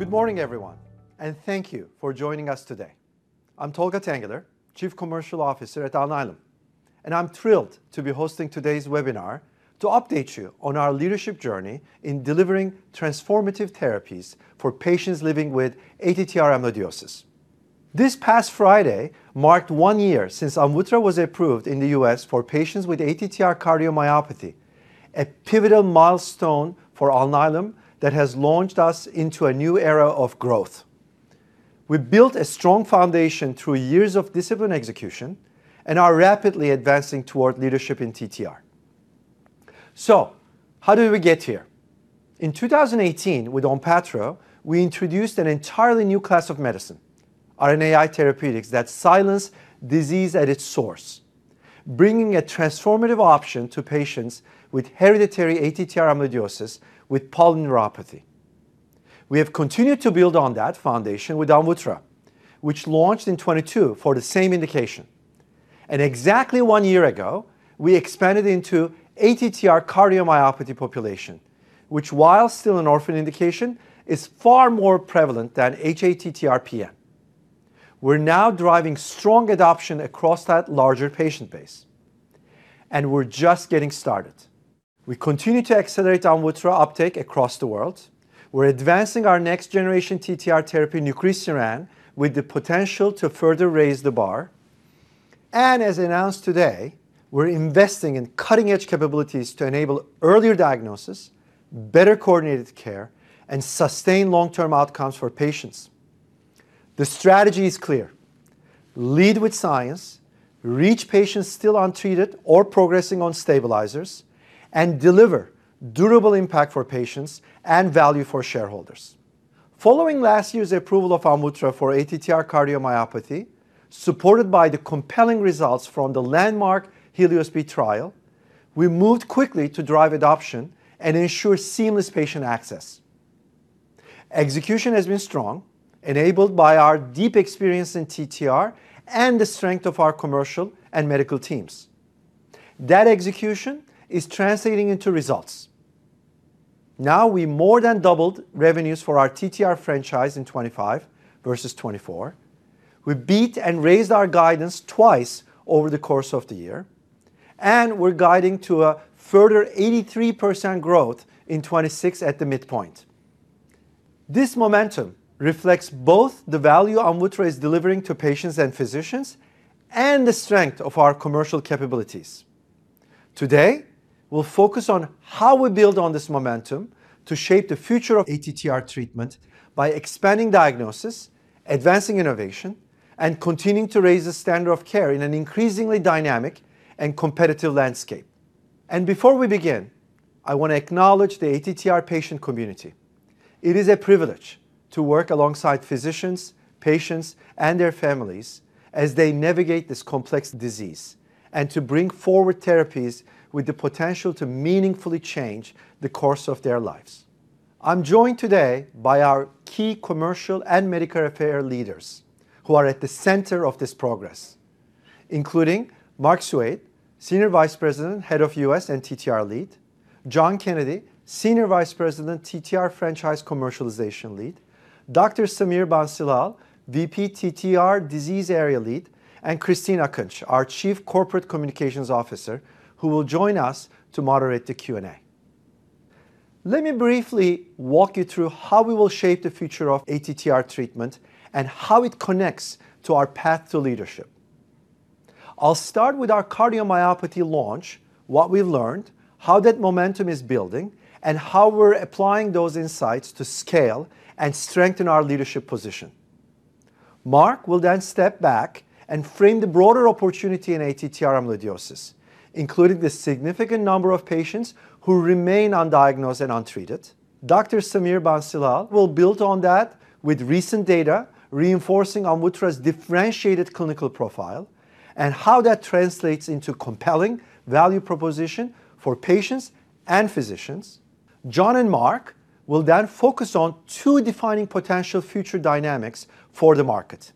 Good morning, everyone, and thank you for joining us today. I'm Tolga Tanguler, Chief Commercial Officer at Alnylam, and I'm thrilled to be hosting today's webinar to update you on our leadership journey in delivering transformative therapies for patients living with ATTR amyloidosis. This past Friday marked one year since AMVUTTRA was approved in the U.S. for patients with ATTR cardiomyopathy, a pivotal milestone for Alnylam that has launched us into a new era of growth. We built a strong foundation through years of disciplined execution and are rapidly advancing toward leadership in TTR. How did we get here? In 2018, with ONPATTRO, we introduced an entirely new class of medicine, RNAi therapeutics, that silence disease at its source, bringing a transformative option to patients with hereditary ATTR amyloidosis with polyneuropathy. We have continued to build on that foundation with AMVUTTRA, which launched in 2022 for the same indication. Exactly one year ago, we expanded into ATTR cardiomyopathy population, which, while still an orphan indication, is far more prevalent than hATTR-PN. We're now driving strong adoption across that larger patient base. We're just getting started. We continue to accelerate AMVUTTRA uptake across the world. We're advancing our next-generation TTR therapy, nucresiran, with the potential to further raise the bar. As announced today, we're investing in cutting-edge capabilities to enable earlier diagnosis, better coordinated care, and sustained long-term outcomes for patients. The strategy is clear. Lead with science, reach patients still untreated or progressing on stabilizers, and deliver durable impact for patients and value for shareholders. Following last year's approval of AMVUTTRA for ATTR cardiomyopathy, supported by the compelling results from the landmark HELIOS-B trial, we moved quickly to drive adoption and ensure seamless patient access. Execution has been strong, enabled by our deep experience in TTR and the strength of our commercial and medical teams. That execution is translating into results. Now we more than doubled revenues for our TTR franchise in 2025 versus 2024. We beat and raised our guidance twice over the course of the year, and we're guiding to a further 83% growth in 2026 at the midpoint. This momentum reflects both the value AMVUTTRA is delivering to patients and physicians and the strength of our commercial capabilities. Today, we'll focus on how we build on this momentum to shape the future of ATTR treatment by expanding diagnosis, advancing innovation, and continuing to raise the standard of care in an increasingly dynamic and competitive landscape. Before we begin, I want to acknowledge the ATTR patient community. It is a privilege to work alongside physicians, patients, and their families as they navigate this complex disease and to bring forward therapies with the potential to meaningfully change the course of their lives. I'm joined today by our key commercial and medical affairs leaders who are at the center of this progress, including Mark Soued, Senior Vice President, Head of U.S., and TTR Lead, John Kennedy, Senior Vice President, TTR Franchise Commercialization Lead, Dr. Sameer Bansilal, VP TTR Disease Area Lead, and Christine Akinc, our Chief Corporate Communications Officer, who will join us to moderate the Q&A. Let me briefly walk you through how we will shape the future of ATTR treatment and how it connects to our path to leadership. I'll start with our cardiomyopathy launch, what we learned, how that momentum is building, and how we're applying those insights to scale and strengthen our leadership position. Mark will then step back and frame the broader opportunity in ATTR amyloidosis, including the significant number of patients who remain undiagnosed and untreated. Dr. Sameer Bansilal will build on that with recent data reinforcing AMVUTTRA's differentiated clinical profile and how that translates into compelling value proposition for patients and physicians. John and Mark will then focus on two defining potential future dynamics for the market,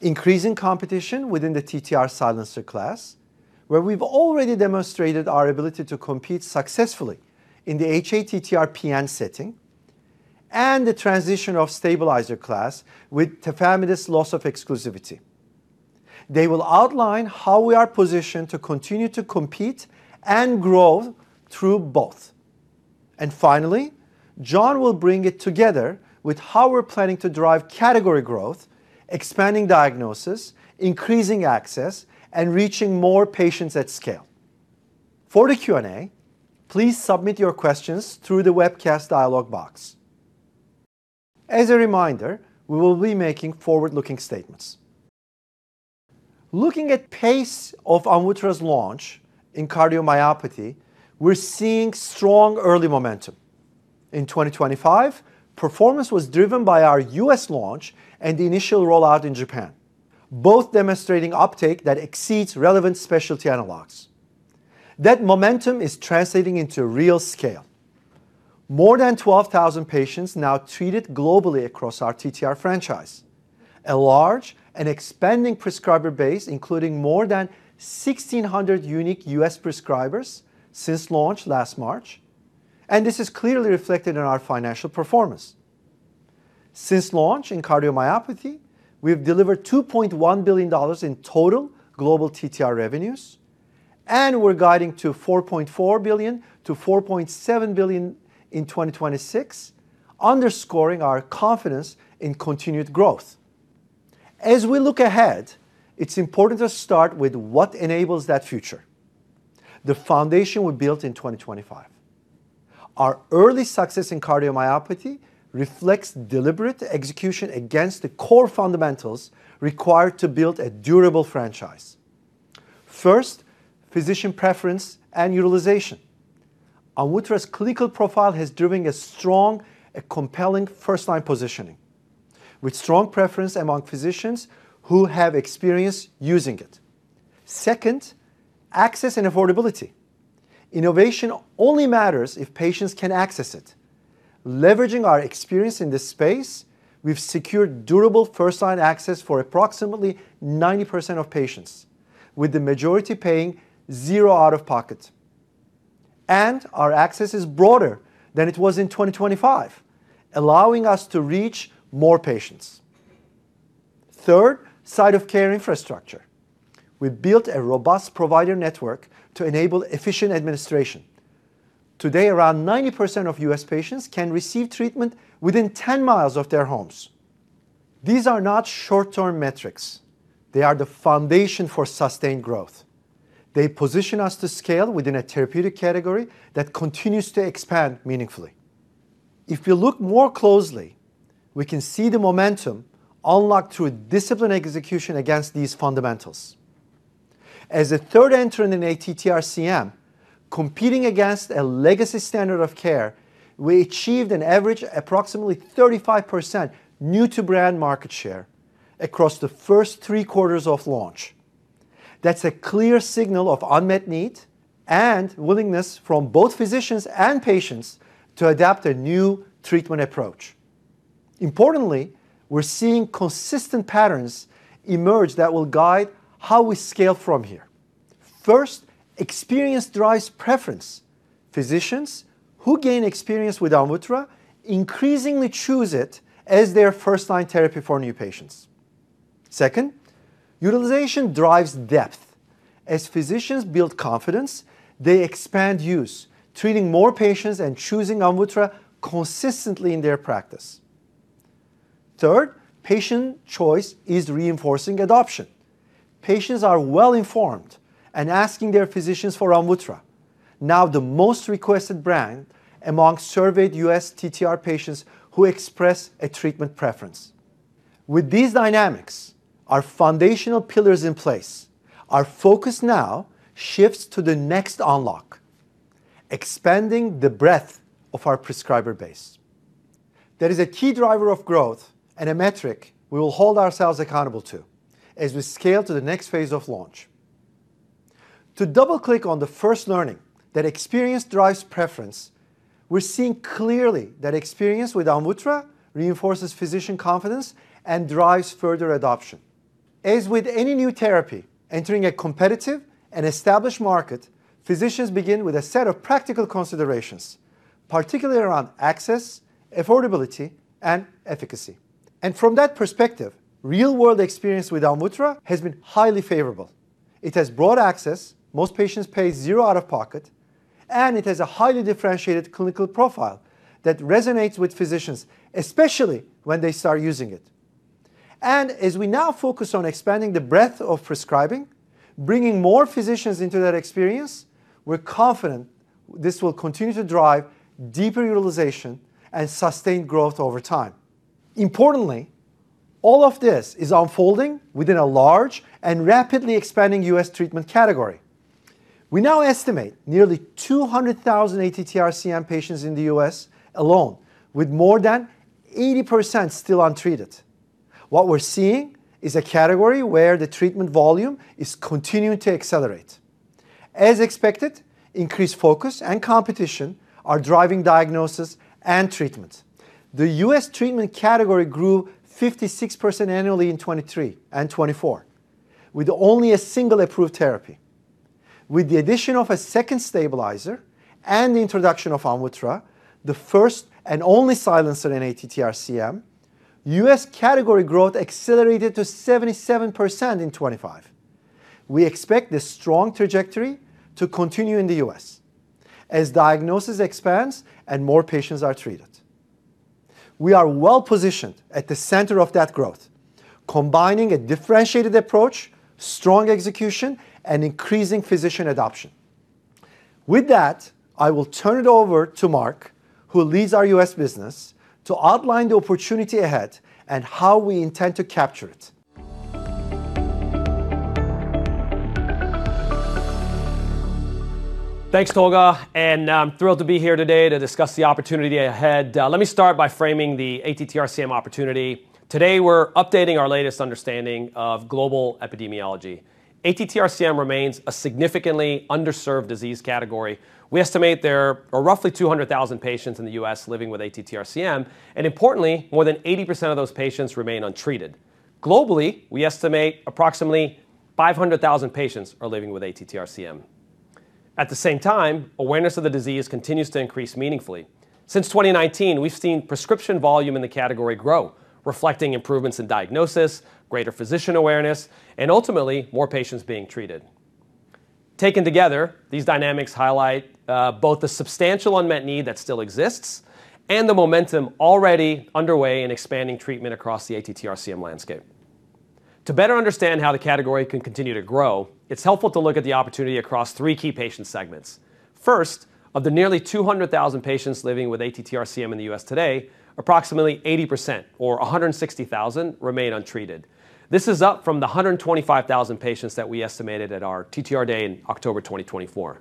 increasing competition within the TTR silencer class, where we've already demonstrated our ability to compete successfully in the hATTR-PN setting, and the transition of stabilizer class with tafamidis loss of exclusivity. They will outline how we are positioned to continue to compete and grow through both. Finally, John will bring it together with how we're planning to drive category growth, expanding diagnosis, increasing access, and reaching more patients at scale. For the Q&A, please submit your questions through the webcast dialogue box. As a reminder, we will be making forward-looking statements. Looking at pace of AMVUTTRA's launch in cardiomyopathy, we're seeing strong early momentum. In 2025, performance was driven by our U.S. launch and the initial rollout in Japan, both demonstrating uptake that exceeds relevant specialty analogs. That momentum is translating into real scale. More than 12,000 patients now treated globally across our TTR franchise. A large and expanding prescriber base, including more than 1,600 unique U.S. prescribers since launch last March. This is clearly reflected in our financial performance. Since launch in cardiomyopathy, we have delivered $2.1 billion in total global TTR revenues, and we're guiding to $4.4 billion-$4.7 billion in 2026, underscoring our confidence in continued growth. As we look ahead, it's important to start with what enables that future, the foundation we built in 2025. Our early success in cardiomyopathy reflects deliberate execution against the core fundamentals required to build a durable franchise. First, physician preference and utilization. AMVUTTRA's clinical profile has driven a strong and compelling first-line positioning, with strong preference among physicians who have experience using it. Second, access and affordability. Innovation only matters if patients can access it. Leveraging our experience in this space, we've secured durable first-line access for approximately 90% of patients, with the majority paying zero out of pocket. Our access is broader than it was in 2025, allowing us to reach more patients. Third, site of care infrastructure. We built a robust provider network to enable efficient administration. Today, around 90% of U.S. patients can receive treatment within 10 miles of their homes. These are not short-term metrics. They are the foundation for sustained growth. They position us to scale within a therapeutic category that continues to expand meaningfully. If you look more closely, we can see the momentum unlocked through disciplined execution against these fundamentals. As a third entrant in ATTR-CM, competing against a legacy standard of care, we achieved an average approximately 35% new-to-brand market share across the first three quarters of launch. That's a clear signal of unmet need and willingness from both physicians and patients to adopt a new treatment approach. Importantly, we're seeing consistent patterns emerge that will guide how we scale from here. First, experience drives preference. Physicians who gain experience with AMVUTTRA increasingly choose it as their first-line therapy for new patients. Second, utilization drives depth. As physicians build confidence, they expand use, treating more patients and choosing AMVUTTRA consistently in their practice. Third, patient choice is reinforcing adoption. Patients are well-informed and asking their physicians for AMVUTTRA, now the most requested brand among surveyed U.S. TTR patients who express a treatment preference. With these dynamics, our foundational pillar is in place. Our focus now shifts to the next unlock, expanding the breadth of our prescriber base. That is a key driver of growth and a metric we will hold ourselves accountable to as we scale to the next phase of launch. To double-click on the first learning, that experience drives preference, we're seeing clearly that experience with AMVUTTRA reinforces physician confidence and drives further adoption. As with any new therapy entering a competitive and established market, physicians begin with a set of practical considerations, particularly around access, affordability, and efficacy. From that perspective, real-world experience with AMVUTTRA has been highly favorable. It has broad access, most patients pay zero out of pocket, and it has a highly differentiated clinical profile that resonates with physicians, especially when they start using it. As we now focus on expanding the breadth of prescribing, bringing more physicians into that experience, we're confident this will continue to drive deeper utilization and sustained growth over time. Importantly, all of this is unfolding within a large and rapidly expanding U.S. treatment category. We now estimate nearly 200,000 ATTR-CM patients in the U.S. alone, with more than 80% still untreated. What we're seeing is a category where the treatment volume is continuing to accelerate. As expected, increased focus and competition are driving diagnosis and treatment. The U.S. treatment category grew 56% annually in 2023 and 2024, with only a single approved therapy. With the addition of a second stabilizer and the introduction of AMVUTTRA, the first and only silencer in ATTR-CM, U.S. category growth accelerated to 77% in 2025. We expect this strong trajectory to continue in the U.S. as diagnosis expands and more patients are treated. We are well-positioned at the center of that growth, combining a differentiated approach, strong execution, and increasing physician adoption. With that, I will turn it over to Mark, who leads our U.S. business, to outline the opportunity ahead and how we intend to capture it. Thanks, Tolga, and I'm thrilled to be here today to discuss the opportunity ahead. Let me start by framing the ATTR-CM opportunity. Today, we're updating our latest understanding of global epidemiology. ATTR-CM remains a significantly underserved disease category. We estimate there are roughly 200,000 patients in the U.S. living with ATTR-CM, and importantly, more than 80% of those patients remain untreated. Globally, we estimate approximately 500,000 patients are living with ATTR-CM. At the same time, awareness of the disease continues to increase meaningfully. Since 2019, we've seen prescription volume in the category grow, reflecting improvements in diagnosis, greater physician awareness, and ultimately more patients being treated. Taken together, these dynamics highlight both the substantial unmet need that still exists and the momentum already underway in expanding treatment across the ATTR-CM landscape. To better understand how the category can continue to grow, it's helpful to look at the opportunity across three key patient segments. First, of the nearly 200,000 patients living with ATTR-CM in the U.S. today, approximately 80% or 160,000 remain untreated. This is up from the 125,000 patients that we estimated at our TTR Day in October 2024.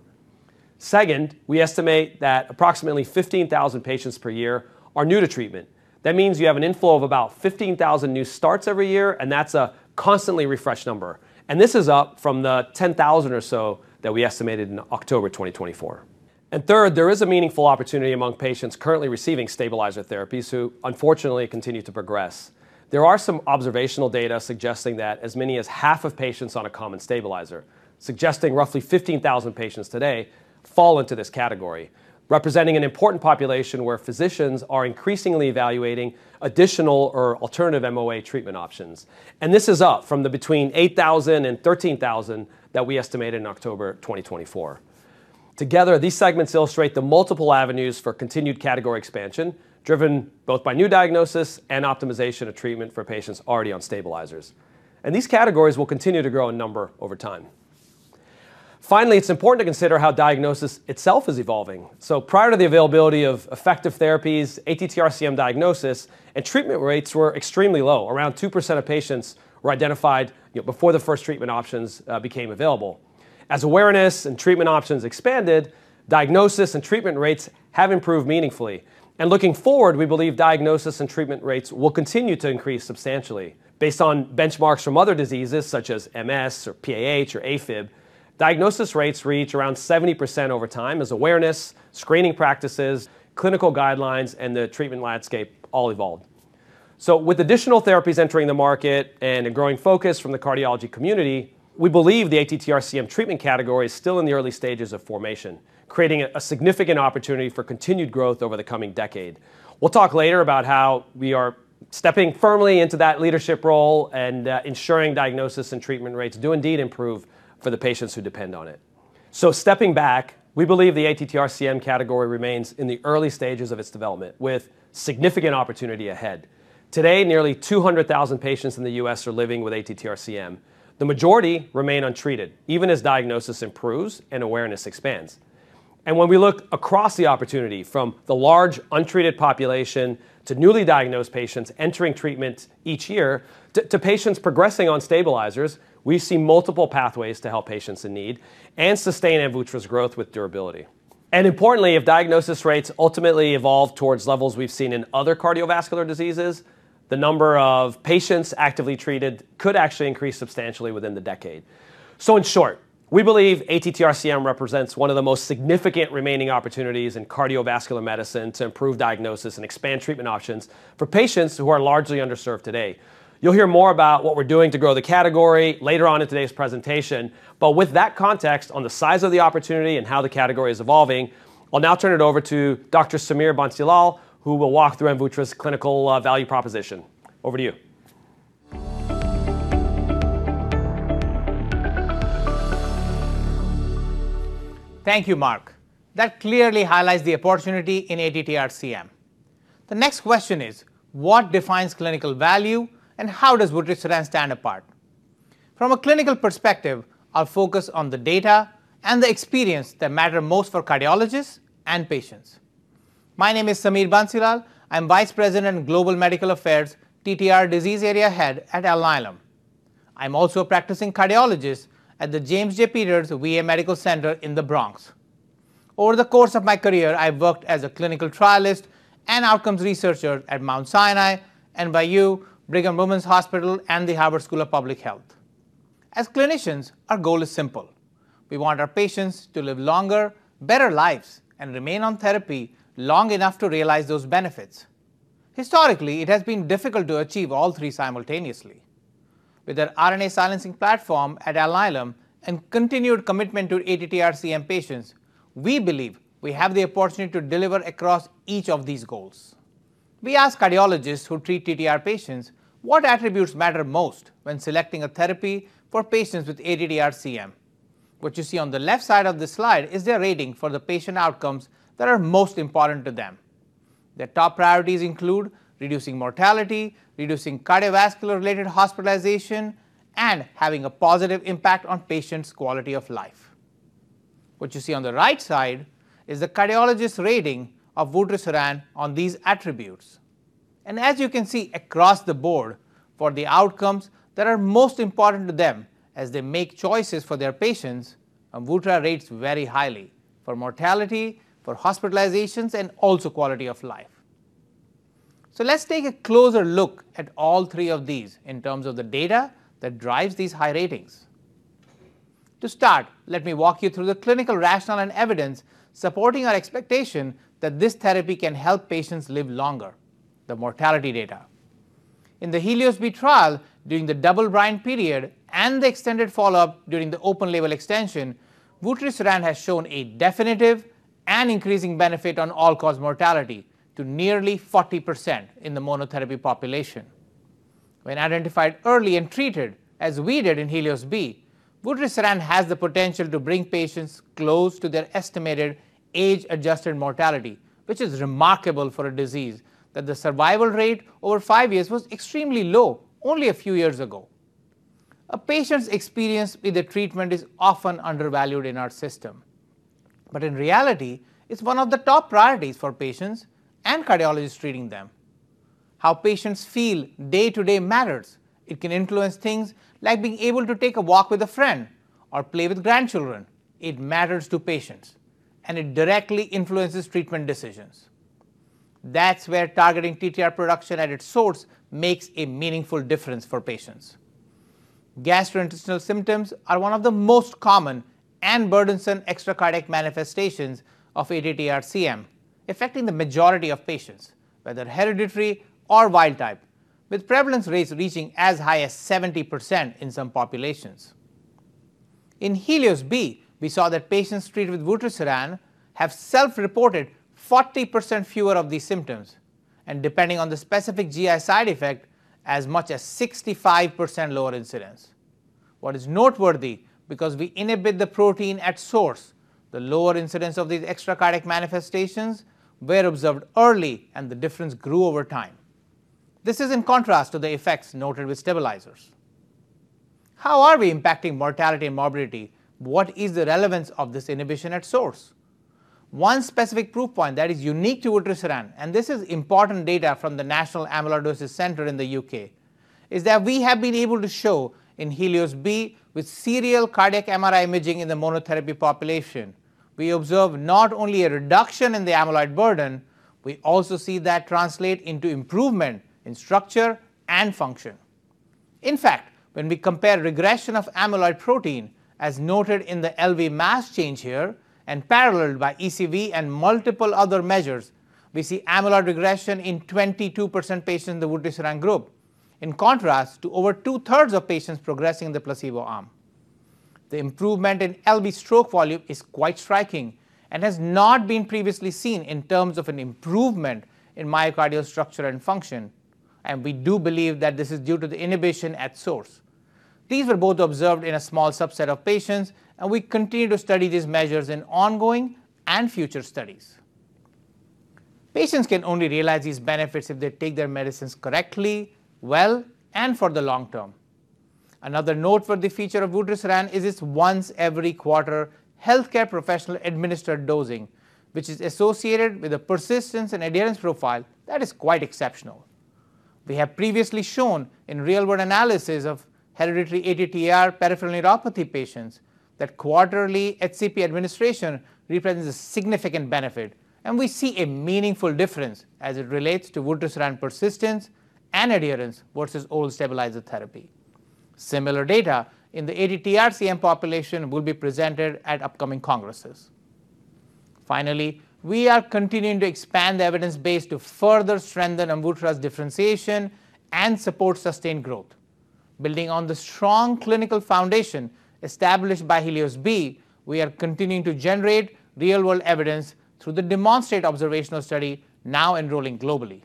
Second, we estimate that approximately 15,000 patients per year are new to treatment. That means you have an inflow of about 15,000 new starts every year, and that's a constantly refreshed number. This is up from the 10,000 or so that we estimated in October 2024. Third, there is a meaningful opportunity among patients currently receiving stabilizer therapies who unfortunately continue to progress. There are some observational data suggesting that as many as half of patients on a common stabilizer, suggesting roughly 15,000 patients today fall into this category, representing an important population where physicians are increasingly evaluating additional or alternative MOA treatment options. This is up from between 8,000 and 13,000 that we estimated in October 2024. Together, these segments illustrate the multiple avenues for continued category expansion, driven both by new diagnosis and optimization of treatment for patients already on stabilizers. These categories will continue to grow in number over time. Finally, it's important to consider how diagnosis itself is evolving. Prior to the availability of effective therapies, ATTR-CM diagnosis and treatment rates were extremely low. Around 2% of patients were identified, you know, before the first treatment options became available. As awareness and treatment options expanded, diagnosis and treatment rates have improved meaningfully. Looking forward, we believe diagnosis and treatment rates will continue to increase substantially based on benchmarks from other diseases such as MS or PAH or AFib. Diagnosis rates reach around 70% over time as awareness, screening practices, clinical guidelines, and the treatment landscape all evolve. With additional therapies entering the market and a growing focus from the cardiology community, we believe the ATTR-CM treatment category is still in the early stages of formation, creating a significant opportunity for continued growth over the coming decade. We'll talk later about how we are stepping firmly into that leadership role and ensuring diagnosis and treatment rates do indeed improve for the patients who depend on it. Stepping back, we believe the ATTR-CM category remains in the early stages of its development with significant opportunity ahead. Today, nearly 200,000 patients in the U.S. are living with ATTR-CM. The majority remain untreated even as diagnosis improves and awareness expands. When we look across the opportunity from the large untreated population to newly diagnosed patients entering treatment each year to patients progressing on stabilizers, we see multiple pathways to help patients in need and sustain AMVUTTRA's growth with durability. Importantly, if diagnosis rates ultimately evolve towards levels we've seen in other cardiovascular diseases, the number of patients actively treated could actually increase substantially within the decade. In short, we believe ATTR-CM represents one of the most significant remaining opportunities in cardiovascular medicine to improve diagnosis and expand treatment options for patients who are largely underserved today. You'll hear more about what we're doing to grow the category later on in today's presentation. With that context on the size of the opportunity and how the category is evolving, I'll now turn it over to Dr. Sameer Bansilal, who will walk through AMVUTTRA's clinical value proposition. Over to you. Thank you, Mark. That clearly highlights the opportunity in ATTR-CM. The next question is what defines clinical value, and how does vutrisiran stand apart? From a clinical perspective, I'll focus on the data and the experience that matter most for cardiologists and patients. My name is Sameer Bansilal. I'm Vice President of Global Medical Affairs, TTR Disease Area Head at Alnylam. I'm also a practicing cardiologist at the James J. Peters VA Medical Center in the Bronx. Over the course of my career, I've worked as a clinical trialist and outcomes researcher at Mount Sinai, NYU, Brigham and Women's Hospital, and the Harvard School of Public Health. As clinicians, our goal is simple. We want our patients to live longer, better lives and remain on therapy long enough to realize those benefits. Historically, it has been difficult to achieve all three simultaneously. With our RNA silencing platform at Alnylam and continued commitment to ATTR-CM patients, we believe we have the opportunity to deliver across each of these goals. We ask cardiologists who treat TTR patients what attributes matter most when selecting a therapy for patients with ATTR-CM. What you see on the left side of this slide is their rating for the patient outcomes that are most important to them. Their top priorities include reducing mortality, reducing cardiovascular-related hospitalization, and having a positive impact on patients' quality of life. What you see on the right side is the cardiologist rating of vutrisiran on these attributes. As you can see across the board for the outcomes that are most important to them as they make choices for their patients, AMVUTTRA rates very highly for mortality, for hospitalizations, and also quality of life. Let's take a closer look at all three of these in terms of the data that drives these high ratings. To start, let me walk you through the clinical rationale and evidence supporting our expectation that this therapy can help patients live longer. The mortality data. In the HELIOS-B trial, during the double-blind period and the extended follow-up during the open label extension, vutrisiran has shown a definitive and increasing benefit on all-cause mortality to nearly 40% in the monotherapy population. When identified early and treated, as we did in HELIOS-B, vutrisiran has the potential to bring patients close to their estimated age-adjusted mortality, which is remarkable for a disease that the survival rate over five years was extremely low only a few years ago. A patient's experience with the treatment is often undervalued in our system. In reality, it's one of the top priorities for patients and cardiologists treating them. How patients feel day to day matters. It can influence things like being able to take a walk with a friend or play with grandchildren. It matters to patients, and it directly influences treatment decisions. That's where targeting TTR production at its source makes a meaningful difference for patients. Gastrointestinal symptoms are one of the most common and burdensome extracardiac manifestations of ATTR-CM, affecting the majority of patients, whether hereditary or wild-type, with prevalence rates reaching as high as 70% in some populations. In HELIOS-B, we saw that patients treated with vutrisiran have self-reported 40% fewer of these symptoms, and depending on the specific GI side effect, as much as 65% lower incidence. What is noteworthy because we inhibit the protein at source, the lower incidence of these extracardiac manifestations were observed early and the difference grew over time. This is in contrast to the effects noted with stabilizers. How are we impacting mortality and morbidity? What is the relevance of this inhibition at source? One specific proof point that is unique to vutrisiran, and this is important data from the National Amyloidosis Centre in the U.K., is that we have been able to show in HELIOS-B with serial cardiac MRI imaging in the monotherapy population, we observe not only a reduction in the amyloid burden, we also see it translate into improvement in structure and function. In fact, when we compare regression of amyloid protein, as noted in the LV mass change here and paralleled by ECV and multiple other measures, we see amyloid regression in 22% patients in the vutrisiran group, in contrast to over two-thirds of patients progressing in the placebo arm. The improvement in LV stroke volume is quite striking and has not been previously seen in terms of an improvement in myocardial structure and function, and we do believe that this is due to the inhibition at source. These were both observed in a small subset of patients, and we continue to study these measures in ongoing and future studies. Patients can only realize these benefits if they take their medicines correctly, well, and for the long term. Another note for the feature of vutrisiran is its once-every-quarter healthcare professional-administered dosing, which is associated with a persistence and adherence profile that is quite exceptional. We have previously shown in real-world analysis of hereditary ATTR peripheral neuropathy patients that quarterly HCP administration represents a significant benefit, and we see a meaningful difference as it relates to vutrisiran persistence and adherence versus old stabilizer therapy. Similar data in the ATTR-CM population will be presented at upcoming congresses. Finally, we are continuing to expand the evidence base to further strengthen and vutrisiran's differentiation and support sustained growth. Building on the strong clinical foundation established by HELIOS-B, we are continuing to generate real-world evidence through the DEMONSTRATE observational study now enrolling globally.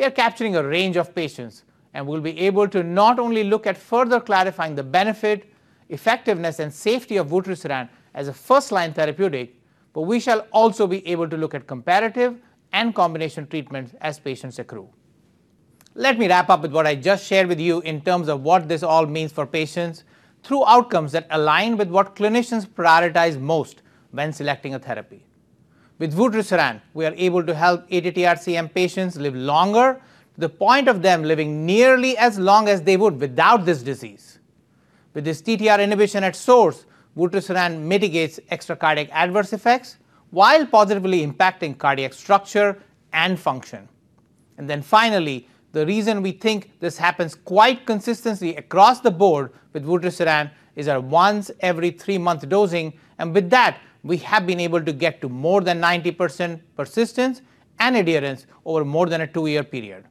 We are capturing a range of patients and will be able to not only look at further clarifying the benefit, effectiveness and safety of vutrisiran as a first-line therapeutic, but we shall also be able to look at comparative and combination treatments as patients accrue. Let me wrap up with what I just shared with you in terms of what this all means for patients through outcomes that align with what clinicians prioritize most when selecting a therapy. With vutrisiran, we are able to help ATTR-CM patients live longer, to the point of them living nearly as long as they would without this disease. With this TTR inhibition at source, vutrisiran mitigates extra cardiac adverse effects while positively impacting cardiac structure and function. Finally, the reason we think this happens quite consistently across the board with vutrisiran is our once every three-month dosing. With that, we have been able to get to more than 90% persistence and adherence over more than a two-year period.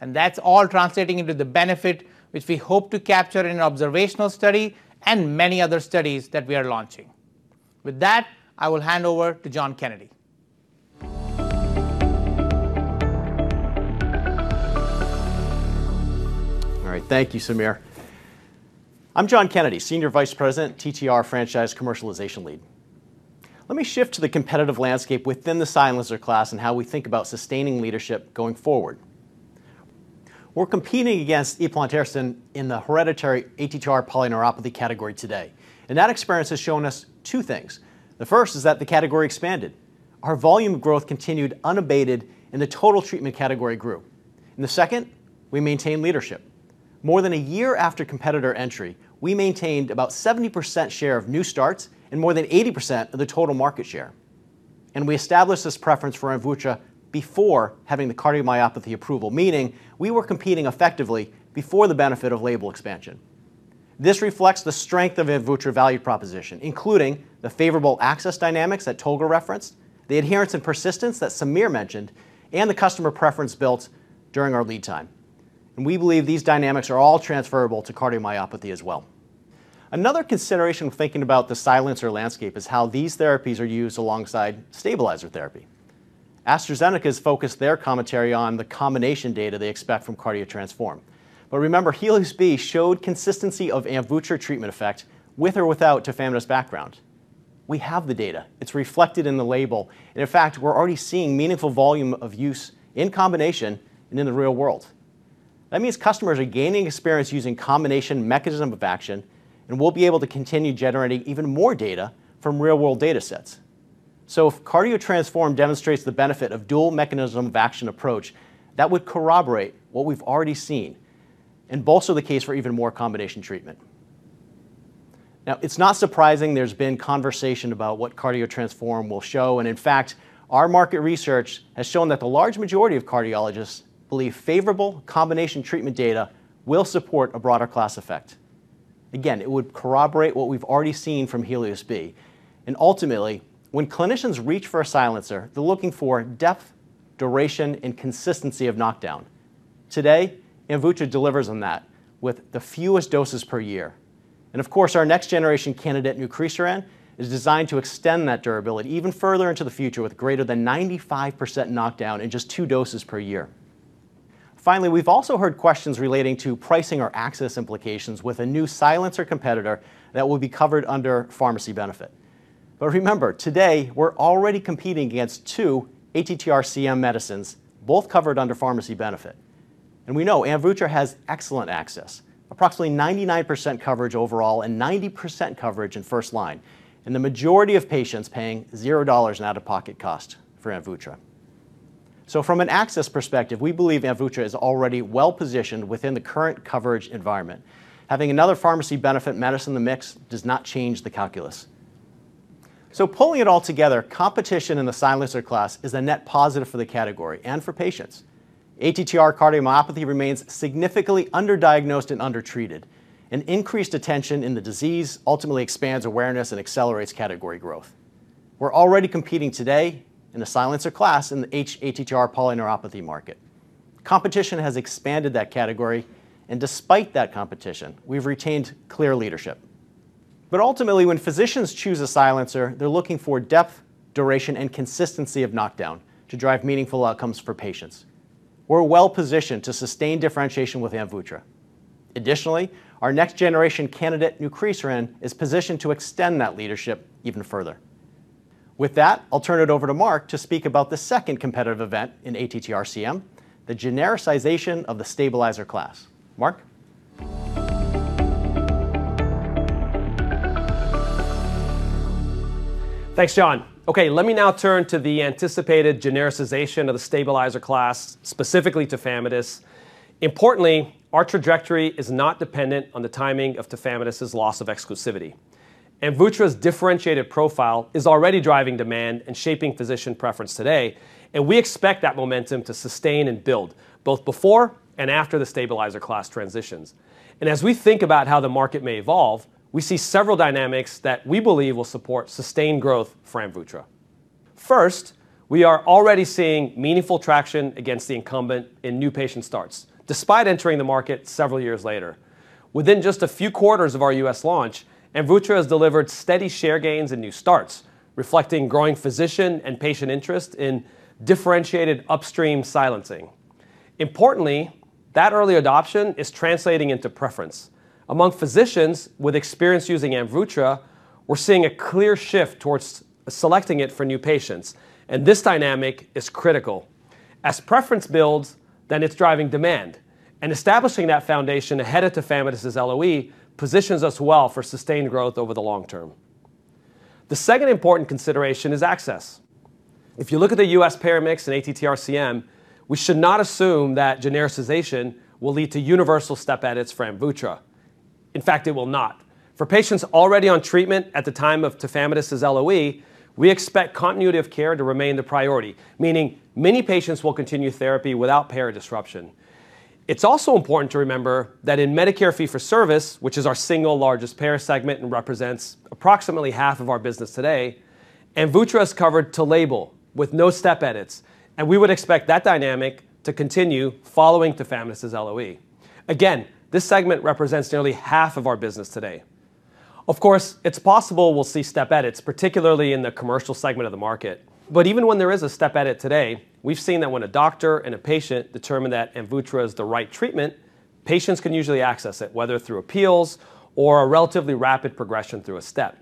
That's all translating into the benefit which we hope to capture in an observational study and many other studies that we are launching. With that, I will hand over to John Kennedy. All right. Thank you, Sameer. I'm John Kennedy, Senior Vice President, TTR Franchise Commercialization Lead. Let me shift to the competitive landscape within the silencer class and how we think about sustaining leadership going forward. We're competing against eplontersen in the hereditary ATTR polyneuropathy category today, and that experience has shown us two things. The first is that the category expanded. Our volume growth continued unabated, and the total treatment category grew. The second, we maintained leadership. More than a year after competitor entry, we maintained about 70% share of new starts and more than 80% of the total market share. We established this preference for AMVUTTRA before having the cardiomyopathy approval, meaning we were competing effectively before the benefit of label expansion. This reflects the strength of AMVUTTRA value proposition, including the favorable access dynamics that Tolga referenced, the adherence and persistence that Sameer mentioned, and the customer preference built during our lead time. We believe these dynamics are all transferable to cardiomyopathy as well. Another consideration when thinking about the silencer landscape is how these therapies are used alongside stabilizer therapy. AstraZeneca has focused their commentary on the combination data they expect from CARDIO-TTRansform. Remember, HELIOS-B showed consistency of AMVUTTRA treatment effect with or without tafamidis background. We have the data. It's reflected in the label. In fact, we're already seeing meaningful volume of use in combination and in the real world. That means customers are gaining experience using combination mechanism of action, and we'll be able to continue generating even more data from real-world data sets. If CARDIO-TTRansform demonstrates the benefit of dual mechanism of action approach, that would corroborate what we've already seen and bolster the case for even more combination treatment. Now, it's not surprising there's been conversation about what CARDIO-TTRansform will show. In fact, our market research has shown that the large majority of cardiologists believe favorable combination treatment data will support a broader class effect. Again, it would corroborate what we've already seen from HELIOS-B. Ultimately, when clinicians reach for a silencer, they're looking for depth, duration, and consistency of knockdown. Today, AMVUTTRA delivers on that with the fewest doses per year. Of course, our next-generation candidate, nucresiran, is designed to extend that durability even further into the future with greater than 95% knockdown in just two doses per year. Finally, we've also heard questions relating to pricing or access implications with a new silencer competitor that will be covered under pharmacy benefit. Remember, today, we're already competing against two ATTR-CM medicines, both covered under pharmacy benefit. We know AMVUTTRA has excellent access, approximately 99% coverage overall and 90% coverage in first line, and the majority of patients paying $0 in out-of-pocket cost for AMVUTTRA. From an access perspective, we believe AMVUTTRA is already well-positioned within the current coverage environment. Having another pharmacy benefit medicine in the mix does not change the calculus. Pulling it all together, competition in the silencer class is a net positive for the category and for patients. ATTR cardiomyopathy remains significantly underdiagnosed and undertreated. An increased attention in the disease ultimately expands awareness and accelerates category growth. We're already competing today in the silencer class in the hATTR polyneuropathy market. Competition has expanded that category. Despite that competition, we've retained clear leadership. Ultimately, when physicians choose a silencer, they're looking for depth, duration, and consistency of knockdown to drive meaningful outcomes for patients. We're well-positioned to sustain differentiation with AMVUTTRA. Additionally, our next-generation candidate, nucresiran, is positioned to extend that leadership even further. With that, I'll turn it over to Mark to speak about the second competitive event in ATTR-CM, the genericization of the stabilizer class. Mark? Thanks, John. Okay, let me now turn to the anticipated genericization of the stabilizer class, specifically tafamidis. Importantly, our trajectory is not dependent on the timing of tafamidis' loss of exclusivity. AMVUTTRA's differentiated profile is already driving demand and shaping physician preference today, and we expect that momentum to sustain and build both before and after the stabilizer class transitions. As we think about how the market may evolve, we see several dynamics that we believe will support sustained growth for AMVUTTRA. First, we are already seeing meaningful traction against the incumbent in new patient starts, despite entering the market several years later. Within just a few quarters of our U.S. launch, AMVUTTRA has delivered steady share gains in new starts, reflecting growing physician and patient interest in differentiated upstream silencing. Importantly, that early adoption is translating into preference. Among physicians with experience using AMVUTTRA, we're seeing a clear shift towards selecting it for new patients, and this dynamic is critical. As preference builds, then it's driving demand, and establishing that foundation ahead of tafamidis' LOE positions us well for sustained growth over the long term. The second important consideration is access. If you look at the U.S. payer mix in ATTR-CM, we should not assume that genericization will lead to universal step edits for AMVUTTRA—in fact, it will not. For patients already on treatment at the time of tafamidis' LOE, we expect continuity of care to remain the priority, meaning many patients will continue therapy without payer disruption. It's also important to remember that in Medicare fee-for-service, which is our single largest payer segment and represents approximately half of our business today, AMVUTTRA is covered to label with no step edits, and we would expect that dynamic to continue following tafamidis' LOE. Again, this segment represents nearly half of our business today. Of course, it's possible we'll see step edits, particularly in the commercial segment of the market. Even when there is a step edit today, we've seen that when a doctor and a patient determine that AMVUTTRA is the right treatment, patients can usually access it, whether through appeals or a relatively rapid progression through a step.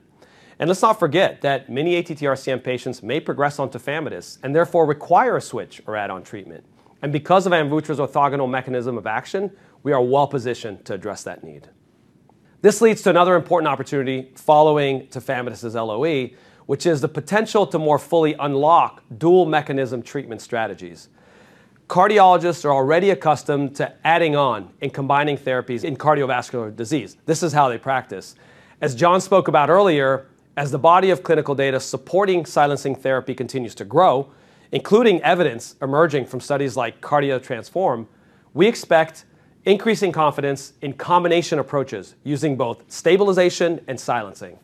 Let's not forget that many ATTR-CM patients may progress on tafamidis and therefore require a switch or add-on treatment. Because of AMVUTTRA's orthogonal mechanism of action, we are well-positioned to address that need. This leads to another important opportunity following tafamidis' LOE, which is the potential to more fully unlock dual-mechanism treatment strategies. Cardiologists are already accustomed to adding on and combining therapies in cardiovascular disease. This is how they practice. As John spoke about earlier, as the body of clinical data supporting silencing therapy continues to grow, including evidence emerging from studies like CARDIO-TTRansform, we expect increasing confidence in combination approaches using both stabilization and silencing.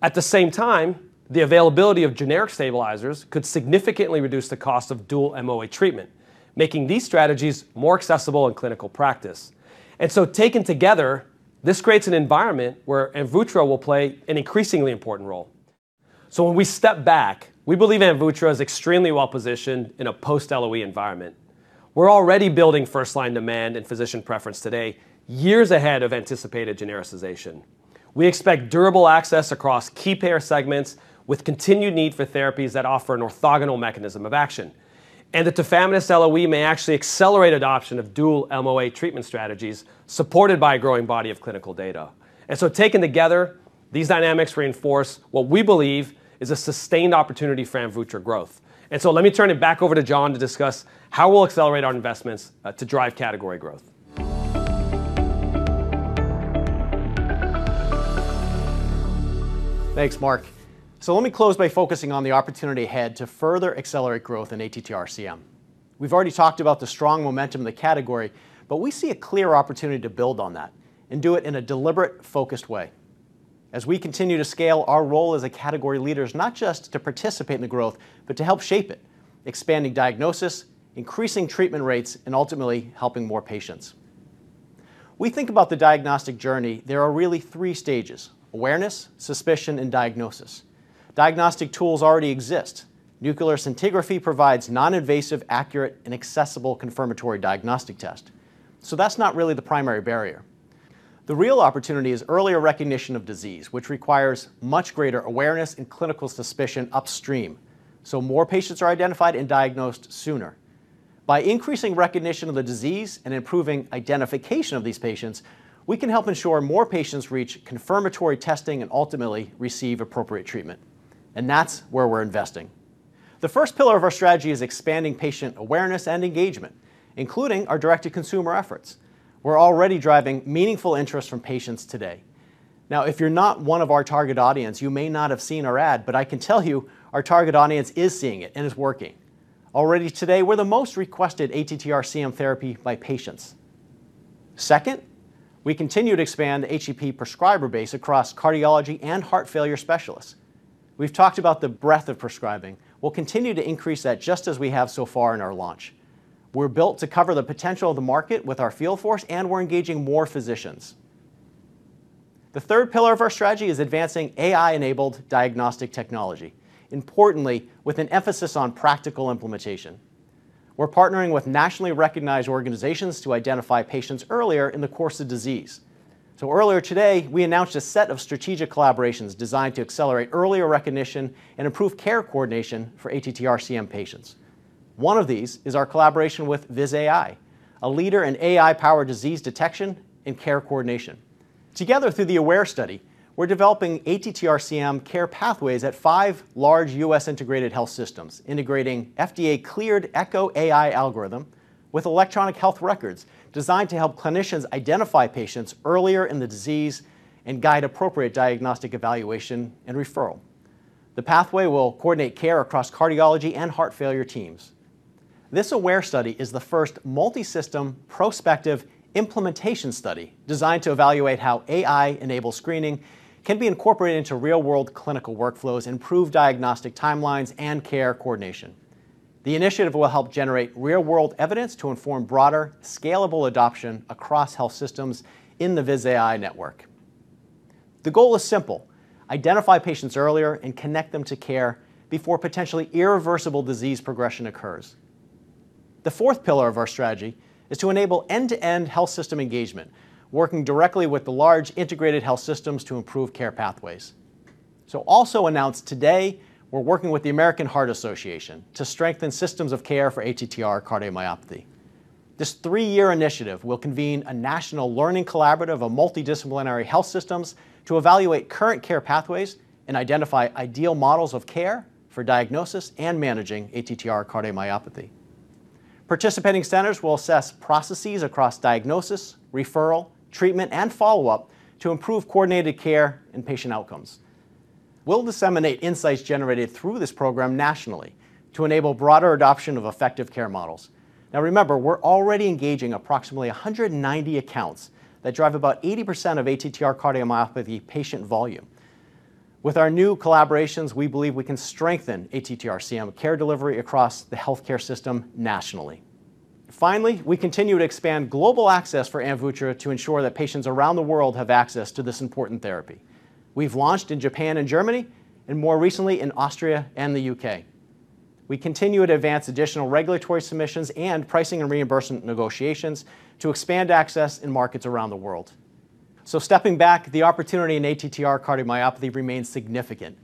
At the same time, the availability of generic stabilizers could significantly reduce the cost of dual-MOA treatment, making these strategies more accessible in clinical practice. Taken together, this creates an environment where AMVUTTRA will play an increasingly important role. When we step back, we believe AMVUTTRA is extremely well-positioned in a post-LOE environment. We're already building first-line demand and physician preference today, years ahead of anticipated genericization. We expect durable access across key payer segments with continued need for therapies that offer an orthogonal mechanism of action. The tafamidis LOE may actually accelerate adoption of dual-MOA treatment strategies supported by a growing body of clinical data. Taken together, these dynamics reinforce what we believe is a sustained opportunity for AMVUTTRA growth. Let me turn it back over to John to discuss how we'll accelerate our investments to drive category growth. Thanks, Mark. Let me close by focusing on the opportunity ahead to further accelerate growth in ATTR-CM. We've already talked about the strong momentum in the category, but we see a clear opportunity to build on that and do it in a deliberate, focused way. As we continue to scale our role as a category leader is not just to participate in the growth, but to help shape it, expanding diagnosis, increasing treatment rates, and ultimately helping more patients. We think about the diagnostic journey, there are really three stages: awareness, suspicion, and diagnosis. Diagnostic tools already exist. Nuclear scintigraphy provides non-invasive, accurate, and accessible confirmatory diagnostic test. That's not really the primary barrier. The real opportunity is earlier recognition of disease, which requires much greater awareness and clinical suspicion upstream, so more patients are identified and diagnosed sooner. By increasing recognition of the disease and improving identification of these patients, we can help ensure more patients reach confirmatory testing and ultimately receive appropriate treatment. That's where we're investing. The first pillar of our strategy is expanding patient awareness and engagement, including our direct-to-consumer efforts. We're already driving meaningful interest from patients today. Now, if you're not one of our target audience, you may not have seen our ad, but I can tell you our target audience is seeing it and it's working. Already today, we're the most requested ATTR-CM therapy by patients. Second, we continue to expand the HCP prescriber base across cardiology and heart failure specialists. We've talked about the breadth of prescribing. We'll continue to increase that just as we have so far in our launch. We're built to cover the potential of the market with our field force, and we're engaging more physicians. The third pillar of our strategy is advancing AI-enabled diagnostic technology, importantly, with an emphasis on practical implementation. We're partnering with nationally recognized organizations to identify patients earlier in the course of disease. Earlier today, we announced a set of strategic collaborations designed to accelerate earlier recognition and improve care coordination for ATTR-CM patients. One of these is our collaboration with Viz.ai, a leader in AI-powered disease detection and care coordination. Together through the AWARE study, we're developing ATTR-CM care pathways at five large U.S. integrated health systems, integrating FDA-cleared Eko AI algorithm with electronic health records designed to help clinicians identify patients earlier in the disease and guide appropriate diagnostic evaluation and referral. The pathway will coordinate care across cardiology and heart failure teams. This AWARE study is the first multi-system prospective implementation study designed to evaluate how AI-enabled screening can be incorporated into real-world clinical workflows, improve diagnostic timelines and care coordination. The initiative will help generate real-world evidence to inform broader, scalable adoption across health systems in the Viz.ai network. The goal is simple: identify patients earlier and connect them to care before potentially irreversible disease progression occurs. The fourth pillar of our strategy is to enable end-to-end health system engagement, working directly with the large integrated health systems to improve care pathways. Also announced today, we're working with the American Heart Association to strengthen systems of care for ATTR cardiomyopathy. This three-year initiative will convene a national learning collaborative of multidisciplinary health systems to evaluate current care pathways and identify ideal models of care for diagnosis and managing ATTR cardiomyopathy. Participating centers will assess processes across diagnosis, referral, treatment, and follow-up to improve coordinated care and patient outcomes. We'll disseminate insights generated through this program nationally to enable broader adoption of effective care models. Now remember, we're already engaging approximately 190 accounts that drive about 80% of ATTR cardiomyopathy patient volume. With our new collaborations, we believe we can strengthen ATTR-CM care delivery across the healthcare system nationally. Finally, we continue to expand global access for AMVUTTRA to ensure that patients around the world have access to this important therapy. We've launched in Japan and Germany, and more recently in Austria and the U.K. We continue to advance additional regulatory submissions and pricing and reimbursement negotiations to expand access in markets around the world. Stepping back, the opportunity in ATTR cardiomyopathy remains significant.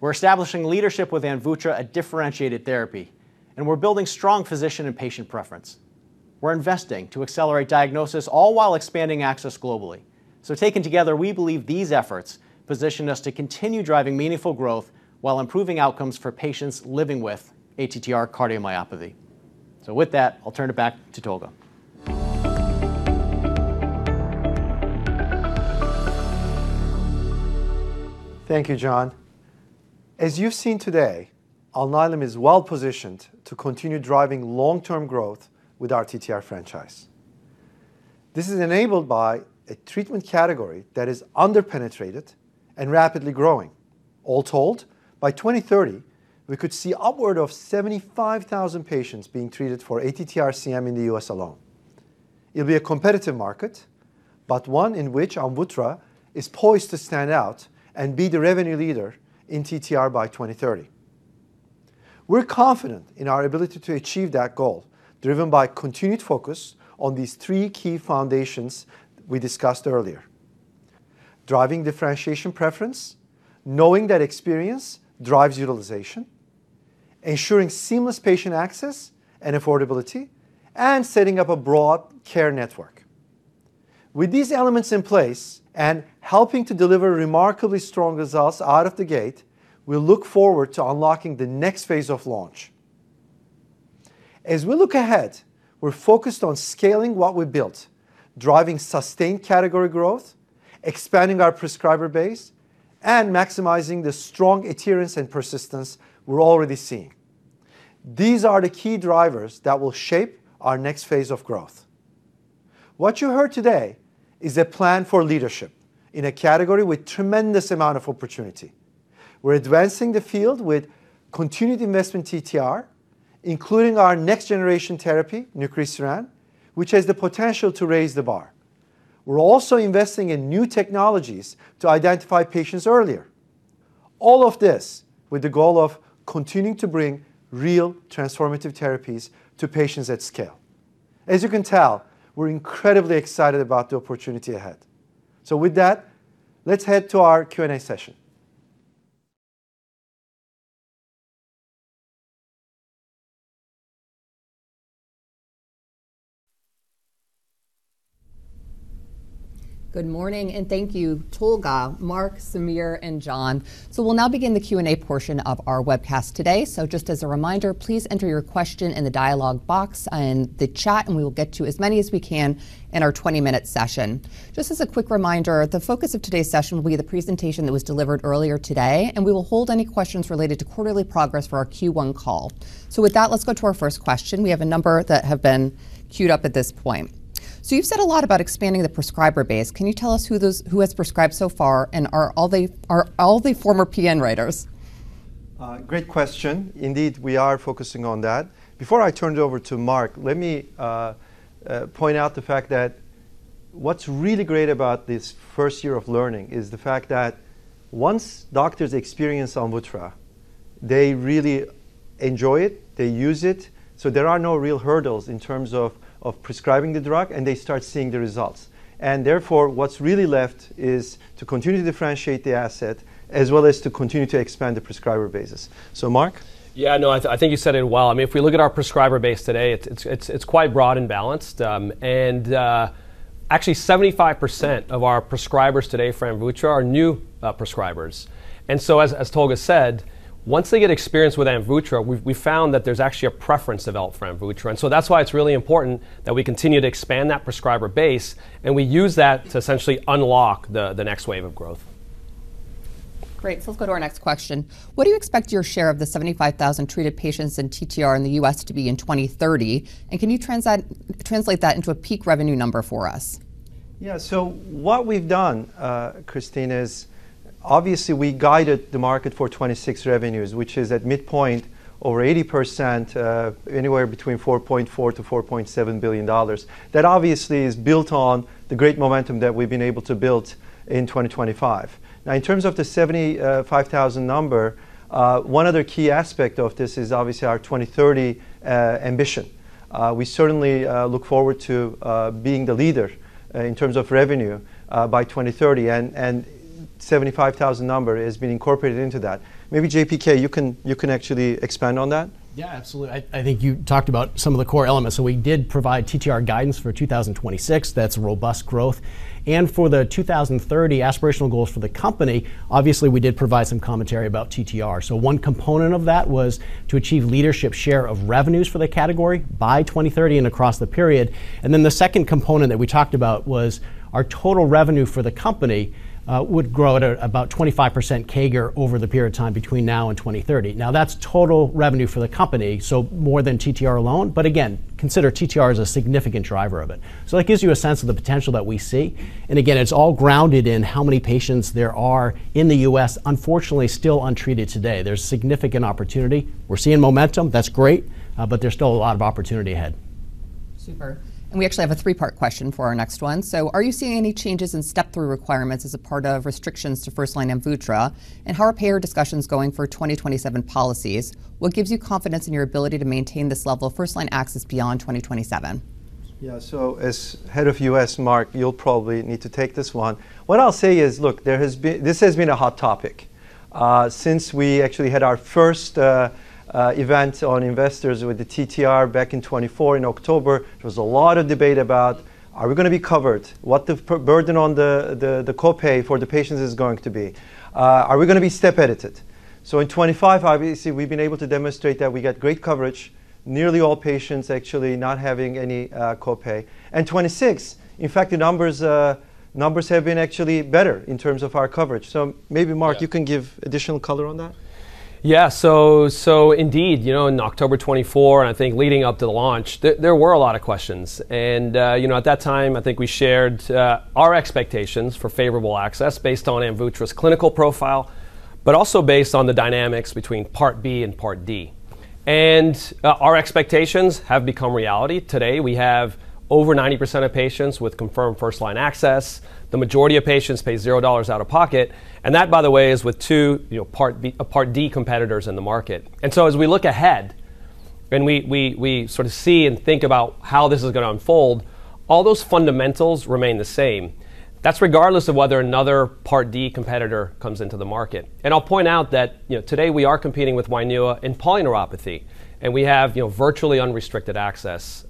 We're establishing leadership with AMVUTTRA, a differentiated therapy, and we're building strong physician and patient preference. We're investing to accelerate diagnosis all while expanding access globally. Taken together, we believe these efforts position us to continue driving meaningful growth while improving outcomes for patients living with ATTR cardiomyopathy. With that, I'll turn it back to Tolga. Thank you, John. As you've seen today, Alnylam is well positioned to continue driving long-term growth with our TTR franchise. This is enabled by a treatment category that is under-penetrated and rapidly growing. All told, by 2030, we could see upward of 75,000 patients being treated for ATTR-CM in the U.S. alone. It'll be a competitive market, but one in which AMVUTTRA is poised to stand out and be the revenue leader in TTR by 2030. We're confident in our ability to achieve that goal, driven by continued focus on these three key foundations we discussed earlier: driving differentiation preference, knowing that experience drives utilization, ensuring seamless patient access and affordability, and setting up a broad care network. With these elements in place and helping to deliver remarkably strong results out of the gate, we look forward to unlocking the next phase of launch. As we look ahead, we're focused on scaling what we built, driving sustained category growth, expanding our prescriber base, and maximizing the strong adherence and persistence we're already seeing. These are the key drivers that will shape our next phase of growth. What you heard today is a plan for leadership in a category with a tremendous amount of opportunity. We're advancing the field with continued investment in TTR, including our next-generation therapy, nucresiran, which has the potential to raise the bar. We're also investing in new technologies to identify patients earlier. All of this with the goal of continuing to bring real transformative therapies to patients at scale. As you can tell, we're incredibly excited about the opportunity ahead. With that, let's head to our Q&A session. Good morning, and thank you, Tolga, Mark, Sameer, and John. We'll now begin the Q&A portion of our webcast today. Just as a reminder, please enter your question in the dialogue box in the chat, and we will get to as many as we can in our 20-minute session. Just as a quick reminder, the focus of today's session will be the presentation that was delivered earlier today, and we will hold any questions related to quarterly progress for our Q1 call. With that, let's go to our first question. We have a number that have been queued up at this point. You've said a lot about expanding the prescriber base. Can you tell us who has prescribed so far, and are all of them former PN writers? Great question. Indeed, we are focusing on that. Before I turn it over to Mark, let me point out the fact that what's really great about this first year of learning is the fact that once doctors experience AMVUTTRA, they really enjoy it, they use it, so there are no real hurdles in terms of prescribing the drug, and they start seeing the results. Therefore, what's really left is to continue to differentiate the asset as well as to continue to expand the prescriber bases. Mark? Yeah. No, I think you said it well. I mean, if we look at our prescriber base today, it's quite broad and balanced. Actually, 75% of our prescribers today for AMVUTTRA are new prescribers. As Tolga said, once they get experience with AMVUTTRA, we found that there's actually a preference developed for AMVUTTRA. That's why it's really important that we continue to expand that prescriber base, and we use that to essentially unlock the next wave of growth. Great. Let's go to our next question. What do you expect your share of the 75,000 treated patients in TTR in the U.S. to be in 2030? And can you translate that into a peak revenue number for us? Yeah. What we've done, Christine, is obviously, we guided the market for 2026 revenues, which is at midpoint over 80%, anywhere between $4.4 billion-$4.7 billion. That obviously is built on the great momentum that we've been able to build in 2025. Now, in terms of the 75,000 number, one other key aspect of this is obviously our 2030 ambition. We certainly look forward to being the leader in terms of revenue by 2030, and 75,000 number is being incorporated into that. Maybe JPK, you can actually expand on that. Yeah, absolutely. I think you talked about some of the core elements. We did provide TTR guidance for 2026. That's robust growth. For the 2030 aspirational goals for the company, obviously, we did provide some commentary about TTR. One component of that was to achieve leadership share of revenues for the category by 2030 and across the period. Then the second component that we talked about was our total revenue for the company would grow at about 25% CAGR over the period of time between now and 2030. Now, that's total revenue for the company, so more than TTR alone. Again, consider TTR as a significant driver of it. That gives you a sense of the potential that we see. Again, it's all grounded in how many patients there are in the U.S.—unfortunately, still untreated today. There's significant opportunity. We're seeing momentum. That's great, but there's still a lot of opportunity ahead. Super. We actually have a three-part question for our next one. Are you seeing any changes in step therapy requirements as a part of restrictions to first-line AMVUTTRA? How are payer discussions going for 2027 policies? What gives you confidence in your ability to maintain this level of first-line access beyond 2027? Yeah. As Head of U.S., Mark, you'll probably need to take this one. What I'll say is, look, this has been a hot topic since we actually had our first TTR Investor Day back in 2024 in October. There was a lot of debate about are we gonna be covered? What the prior burden on the co-pay for the patients is going to be? Are we gonna be step edited? In 2025, obviously, we've been able to demonstrate that we get great coverage, nearly all patients actually not having any co-pay. In 2026, in fact, the numbers have been actually better in terms of our coverage. Maybe Mark— Yeah. You can give additional color on that. Indeed, you know, in October 2024, I think leading up to the launch, there were a lot of questions. You know, at that time, I think we shared our expectations for favorable access based on AMVUTTRA's clinical profile, but also based on the dynamics between Part B and Part D. Our expectations have become reality. Today, we have over 90% of patients with confirmed first-line access. The majority of patients pay $0 out of pocket, and that, by the way, is with two, you know, Part D competitors in the market. As we look ahead and we sort of see and think about how this is gonna unfold, all those fundamentals remain the same. That's regardless of whether another Part D competitor comes into the market. I'll point out that, you know, today we are competing with WAINUA in polyneuropathy, and we have, you know, virtually unrestricted access.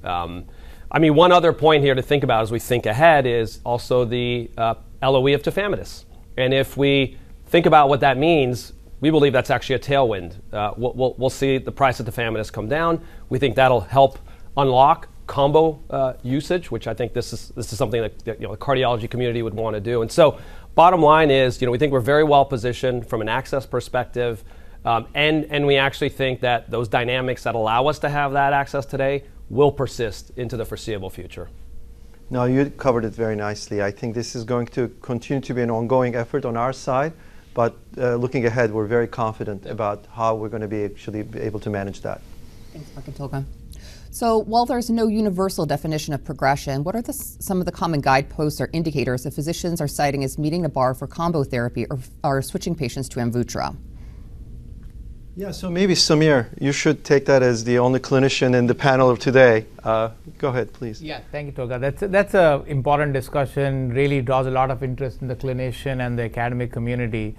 I mean, one other point here to think about as we think ahead is also the LOE of tafamidis. If we think about what that means, we believe that's actually a tailwind. We'll see the price of tafamidis come down. We think that'll help unlock combo usage, which I think this is something that you know the cardiology community would wanna do. Bottom line is, you know, we think we're very well positioned from an access perspective, and we actually think that those dynamics that allow us to have that access today will persist into the foreseeable future. No, you covered it very nicely. I think this is going to continue to be an ongoing effort on our side, but, looking ahead, we're very confident about how we're gonna be actually able to manage that. Thanks, Mark and Tolga. While there's no universal definition of progression, what are some of the common guideposts or indicators that physicians are citing as meeting the bar for combo therapy or are switching patients to AMVUTTRA? Yeah. Maybe Sameer, you should take that as the only clinician in the panel of today. Go ahead, please. Thank you, Tolga. That's an important discussion, really draws a lot of interest in the clinical and academic community.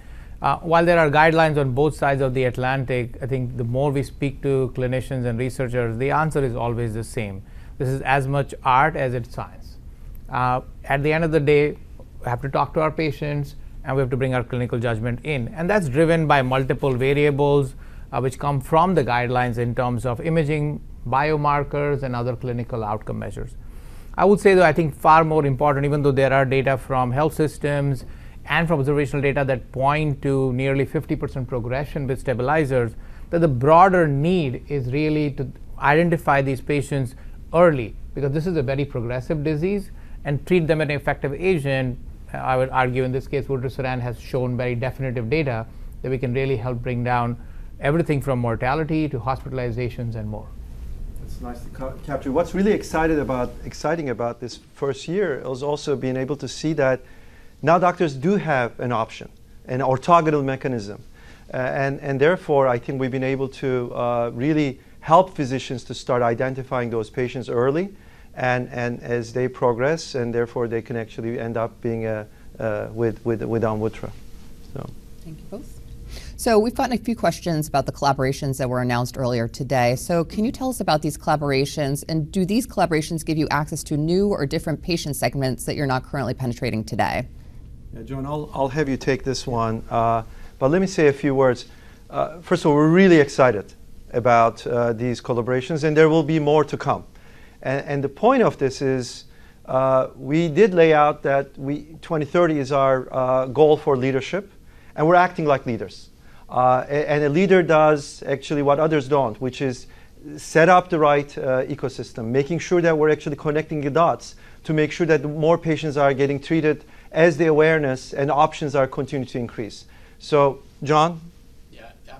While there are guidelines on both sides of the Atlantic, I think the more we speak to clinicians and researchers, the answer is always the same. This is as much art as it's science. At the end of the day, we have to talk to our patients, and we have to bring our clinical judgment in, and that's driven by multiple variables, which come from the guidelines in terms of imaging, biomarkers, and other clinical outcome measures. I would say, though, I think far more important, even though there are data from health systems and from observational data that point to nearly 50% progression with stabilizers, that the broader need is really to identify these patients early, because this is a very progressive disease, and treat them with an effective agent. I would argue in this case, vutrisiran has shown very definitive data that we can really help bring down everything from mortality to hospitalizations and more. That's nicely captured. What's really exciting about this first year is also being able to see that now doctors do have an option, an orthogonal mechanism. And therefore, I think we've been able to really help physicians to start identifying those patients early and as they progress, and therefore they can actually end up being with AMVUTTRA. Thank you both. We've gotten a few questions about the collaborations that were announced earlier today. Can you tell us about these collaborations, and do these collaborations give you access to new or different patient segments that you're not currently penetrating today? Yeah. John, I'll have you take this one. But let me say a few words. First of all, we're really excited about these collaborations, and there will be more to come. The point of this is, we did lay out that 2030 is our goal for leadership, and we're acting like leaders. A leader does actually what others don't, which is set up the right ecosystem, making sure that we're actually connecting the dots to make sure that more patients are getting treated as the awareness and options are continuing to increase. So, John?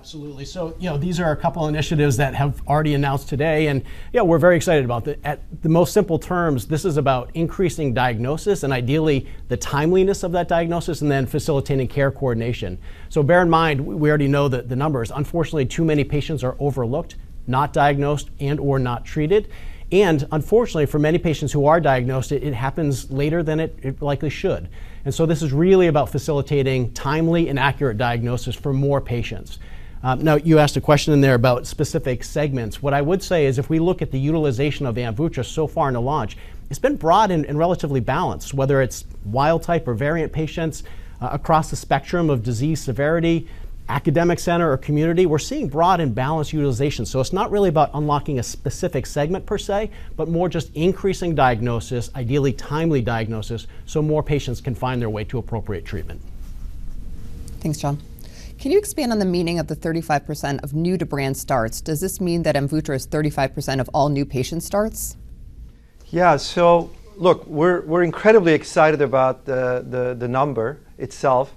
Yeah. Absolutely. You know, these are a couple initiatives that have already announced today, and yeah, we're very excited about them. At the most simple terms, this is about increasing diagnosis and ideally the timeliness of that diagnosis and then facilitating care coordination. Bear in mind, we already know the numbers. Unfortunately, too many patients are overlooked, not diagnosed, and/or not treated. Unfortunately, for many patients who are diagnosed, it happens later than it likely should. This is really about facilitating timely and accurate diagnosis for more patients. Now you asked a question in there about specific segments. What I would say is if we look at the utilization of AMVUTTRA so far in the launch, it's been broad and relatively balanced, whether it's wild type or variant patients across the spectrum of disease severity, academic center or community, we're seeing broad and balanced utilization. It's not really about unlocking a specific segment per se, but more just increasing diagnosis, ideally timely diagnosis, so more patients can find their way to appropriate treatment. Thanks, John. Can you expand on the meaning of the 35% of new-to-brand starts? Does this mean that AMVUTTRA is 35% of all new patient starts? Yeah. Look, we're incredibly excited about the number itself.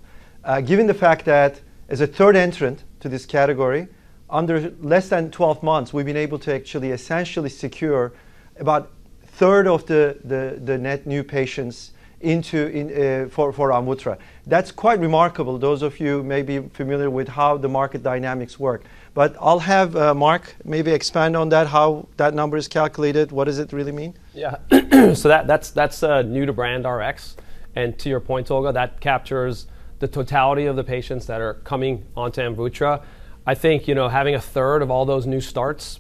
Given the fact that as a third entrant to this category, in less than 12 months, we've been able to actually essentially secure about a third of the net new patients for AMVUTTRA. That's quite remarkable. Those of you may be familiar with how the market dynamics work. I'll have Mark maybe expand on that, how that number is calculated, what does it really mean. That's new-to-brand Rx. To your point, Tolga, that captures the totality of the patients that are coming onto AMVUTTRA. I think, you know, having a third of all those new starts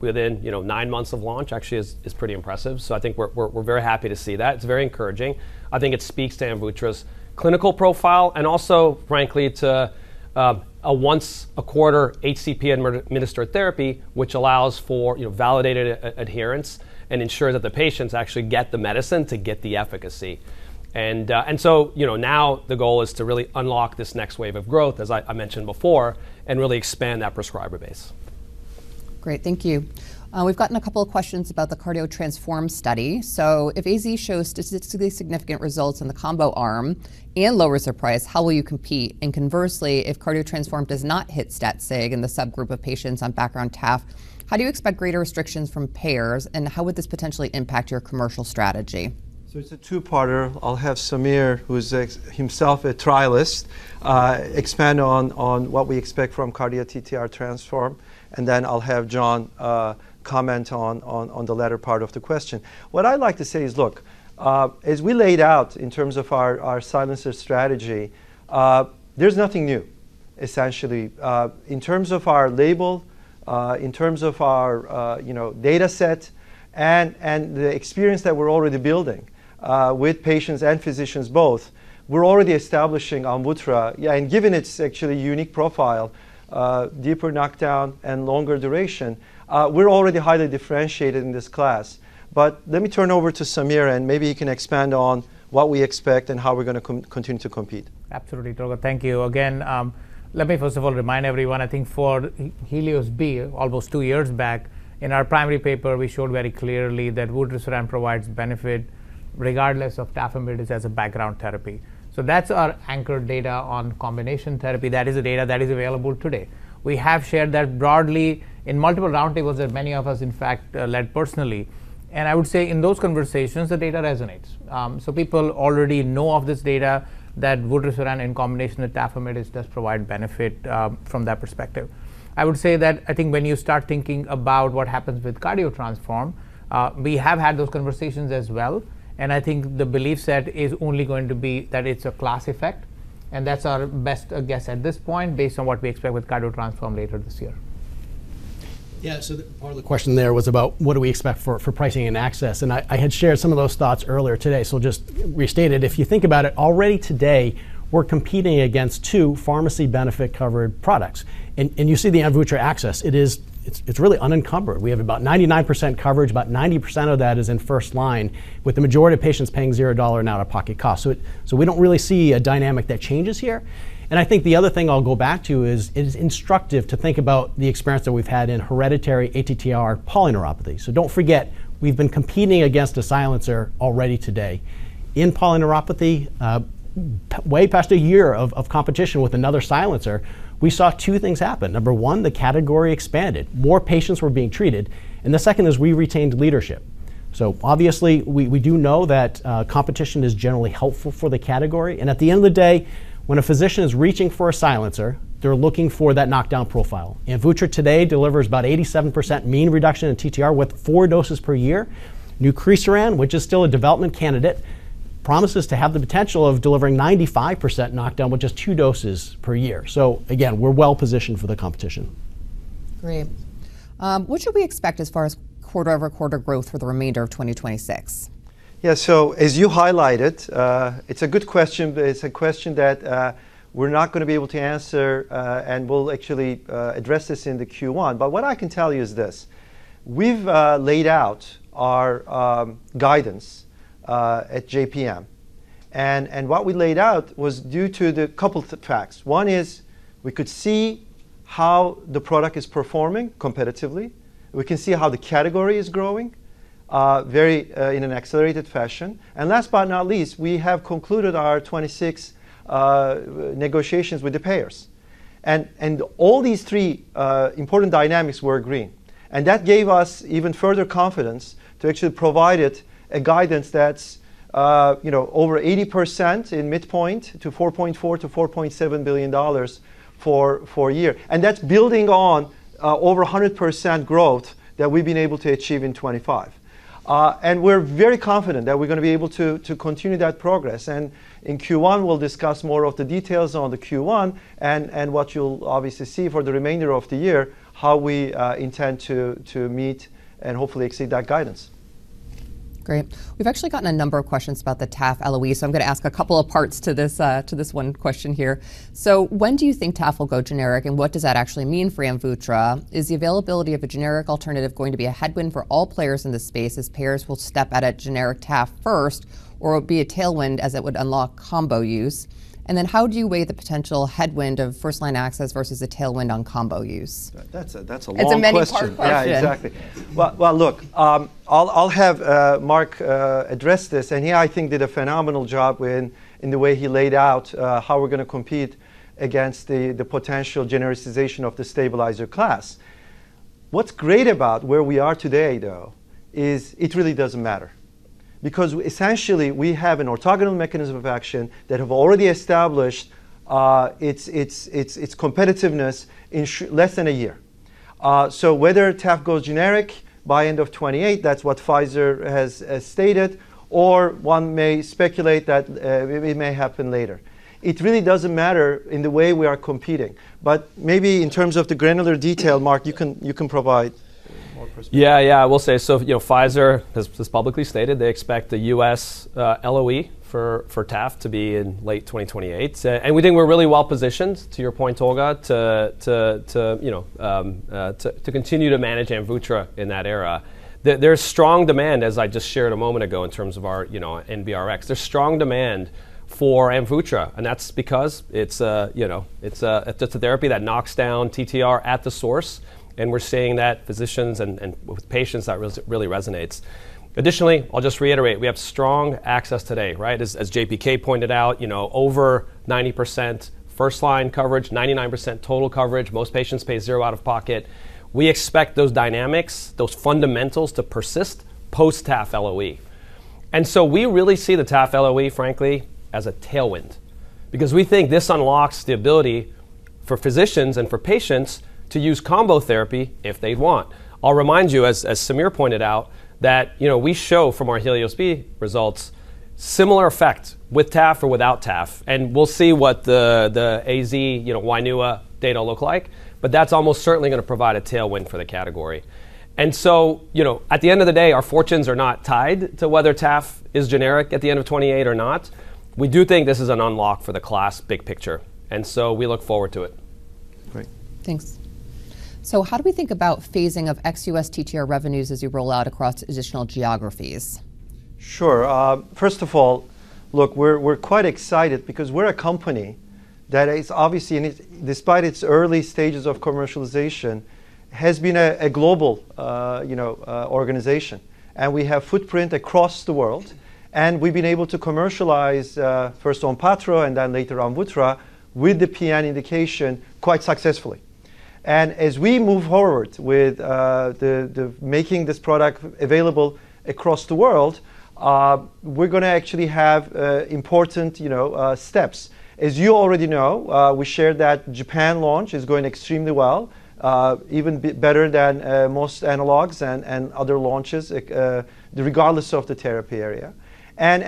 within, you know, nine months of launch actually is pretty impressive. I think we're very happy to see that. It's very encouraging. I think it speaks to AMVUTTRA's clinical profile and also frankly to a once a quarter HCP-administered therapy, which allows for, you know, validated adherence and ensure that the patients actually get the medicine to get the efficacy. You know, now the goal is to really unlock this next wave of growth, as I mentioned before, and really expand that prescriber base. Great. Thank you. We've gotten a couple of questions about the CARDIO-TTRansform study. If AstraZeneca shows statistically significant results in the combo arm and lowers their price, how will you compete? Conversely, if CARDIO-TTRansform does not hit stat sig in the subgroup of patients on background tafamidis, how do you expect greater restrictions from payers, and how would this potentially impact your commercial strategy? It's a two-parter. I'll have Sameer, who's himself a trialist, expand on what we expect from CARDIO-TTRansform, and then I'll have John comment on the latter part of the question. What I'd like to say is, look, as we laid out in terms of our silencer strategy, there's nothing new, essentially, in terms of our label, in terms of our, you know, data set and the experience that we're already building with patients and physicians both. We're already establishing AMVUTTRA. Yeah, and given its actually unique profile, deeper knockdown and longer duration, we're already highly differentiated in this class. Let me turn over to Sameer, and maybe he can expand on what we expect and how we're gonna continue to compete. Absolutely, Tolga. Thank you again. Let me first of all remind everyone, I think for HELIOS-B, almost two years back, in our primary paper, we showed very clearly that vutrisiran provides benefit regardless of tafamidis as a background therapy. That's our anchor data on combination therapy. That is the data that is available today. We have shared that broadly in multiple roundtables that many of us, in fact, led personally. I would say in those conversations, the data resonates. People already know of this data that vutrisiran in combination with tafamidis does provide benefit from that perspective. I would say that I think when you start thinking about what happens with CARDIO-TTRansform, we have had those conversations as well, and I think the belief set is only going to be that it's a class effect, and that's our best guess at this point based on what we expect with CARDIO-TTRansform later this year. Yeah. Part of the question there was about what do we expect for pricing and access, and I had shared some of those thoughts earlier today. Just restate it. If you think about it, already today, we're competing against two pharmacy benefit-covered products. You see the AMVUTTRA access. It is really unencumbered. We have about 99% coverage, about 90% of that is in first line, with the majority of patients paying $0 in out-of-pocket cost. We don't really see a dynamic that changes here. I think the other thing I'll go back to is it is instructive to think about the experience that we've had in hereditary ATTR polyneuropathy. Don't forget, we've been competing against a silencer already today. In polyneuropathy, past a year of competition with another silencer, we saw two things happen. Number one, the category expanded. More patients were being treated. The second is we retained leadership. Obviously, we do know that competition is generally helpful for the category. At the end of the day, when a physician is reaching for a silencer, they're looking for that knockdown profile. AMVUTTRA today delivers about 87% mean reduction in TTR with four doses per year. Nucresiran, which is still a development candidate, promises to have the potential of delivering 95% knockdown with just two doses per year. Again, we're well positioned for the competition. Great. What should we expect as far as quarter-over-quarter growth for the remainder of 2026? Yeah. As you highlighted, it's a good question, but it's a question that we're not gonna be able to answer, and we'll actually address this in the Q1. What I can tell you is this. We've laid out our guidance at JPM, and what we laid out was due to the couple facts. One is we could see how the product is performing competitively. We can see how the category is growing very in an accelerated fashion. Last but not least, we have concluded our 26 negotiations with the payers. All these three important dynamics were green. That gave us even further confidence to actually provide it a guidance that's over 80% in midpoint to $4.4 billion-$4.7 billion for a year. That's building on over 100% growth that we've been able to achieve in 2025. We're very confident that we're gonna be able to continue that progress. In Q1, we'll discuss more of the details on the Q1 and what you'll obviously see for the remainder of the year, how we intend to meet and hopefully exceed that guidance. Great. We've actually gotten a number of questions about the tafamidis LOE, so I'm gonna ask a couple of parts to this, to this one question here. When do you think tafamidis will go generic, and what does that actually mean for AMVUTTRA? Is the availability of a generic alternative going to be a headwind for all players in this space as payers will step out at generic tafamidis first or be a tailwind as it would unlock combo use? And then how do you weigh the potential headwind of first-line access versus a tailwind on combo use? That's a long question. It's a many-part question. Yeah, exactly. Well, look, I'll have Mark address this, and he, I think, did a phenomenal job in the way he laid out how we're gonna compete against the potential genericization of the stabilizer class. What's great about where we are today, though, is it really doesn't matter because essentially we have an orthogonal mechanism of action that have already established its competitiveness in less than a year. Whether tafamidis goes generic by end of 2028, that's what Pfizer has stated, or one may speculate that it may happen later. It really doesn't matter in the way we are competing. Maybe in terms of the granular detail, Mark, you can provide more perspective. Yeah, yeah. I will say, you know, Pfizer has publicly stated they expect the U.S. LOE for tafamidis to be in late 2028. We think we're really well-positioned, to your point, Tolga, to continue to manage AMVUTTRA in that era. There's strong demand, as I just shared a moment ago, in terms of our NBRx. There's strong demand for AMVUTTRA, and that's because it's a therapy that knocks down TTR at the source, and we're seeing that physicians and with patients that really resonates. Additionally, I'll just reiterate, we have strong access today, right? As JPK pointed out, you know, over 90% first-line coverage, 99% total coverage, most patients pay zero out of pocket. We expect those dynamics, those fundamentals to persist post tafamidis LOE. We really see the tafamidis LOE, frankly, as a tailwind because we think this unlocks the ability for physicians and for patients to use combo therapy if they want. I'll remind you, as Sameer pointed out, that, you know, we show from our HELIOS-B results similar effects with tafamidis or without tafamidis, and we'll see what the AstraZeneca, you know, WAINUA data look like, but that's almost certainly gonna provide a tailwind for the category. At the end of the day, our fortunes are not tied to whether tafamidis is generic at the end of 2028 or not. We do think this is an unlock for the class big picture, and so we look forward to it. Great. Thanks. How do we think about phasing of ex-U.S. TTR revenues as you roll out across additional geographies? Sure. First of all, look, we're quite excited because we're a company that is obviously, and despite its early stages of commercialization, has been a global, you know, organization. We have footprint across the world, and we've been able to commercialize first ONPATTRO and then later AMVUTTRA with the PN indication quite successfully. As we move forward with the making this product available across the world, we're gonna actually have important, you know, steps. As you already know, we shared that Japan launch is going extremely well, even better than most analogs and other launches, regardless of the therapy area.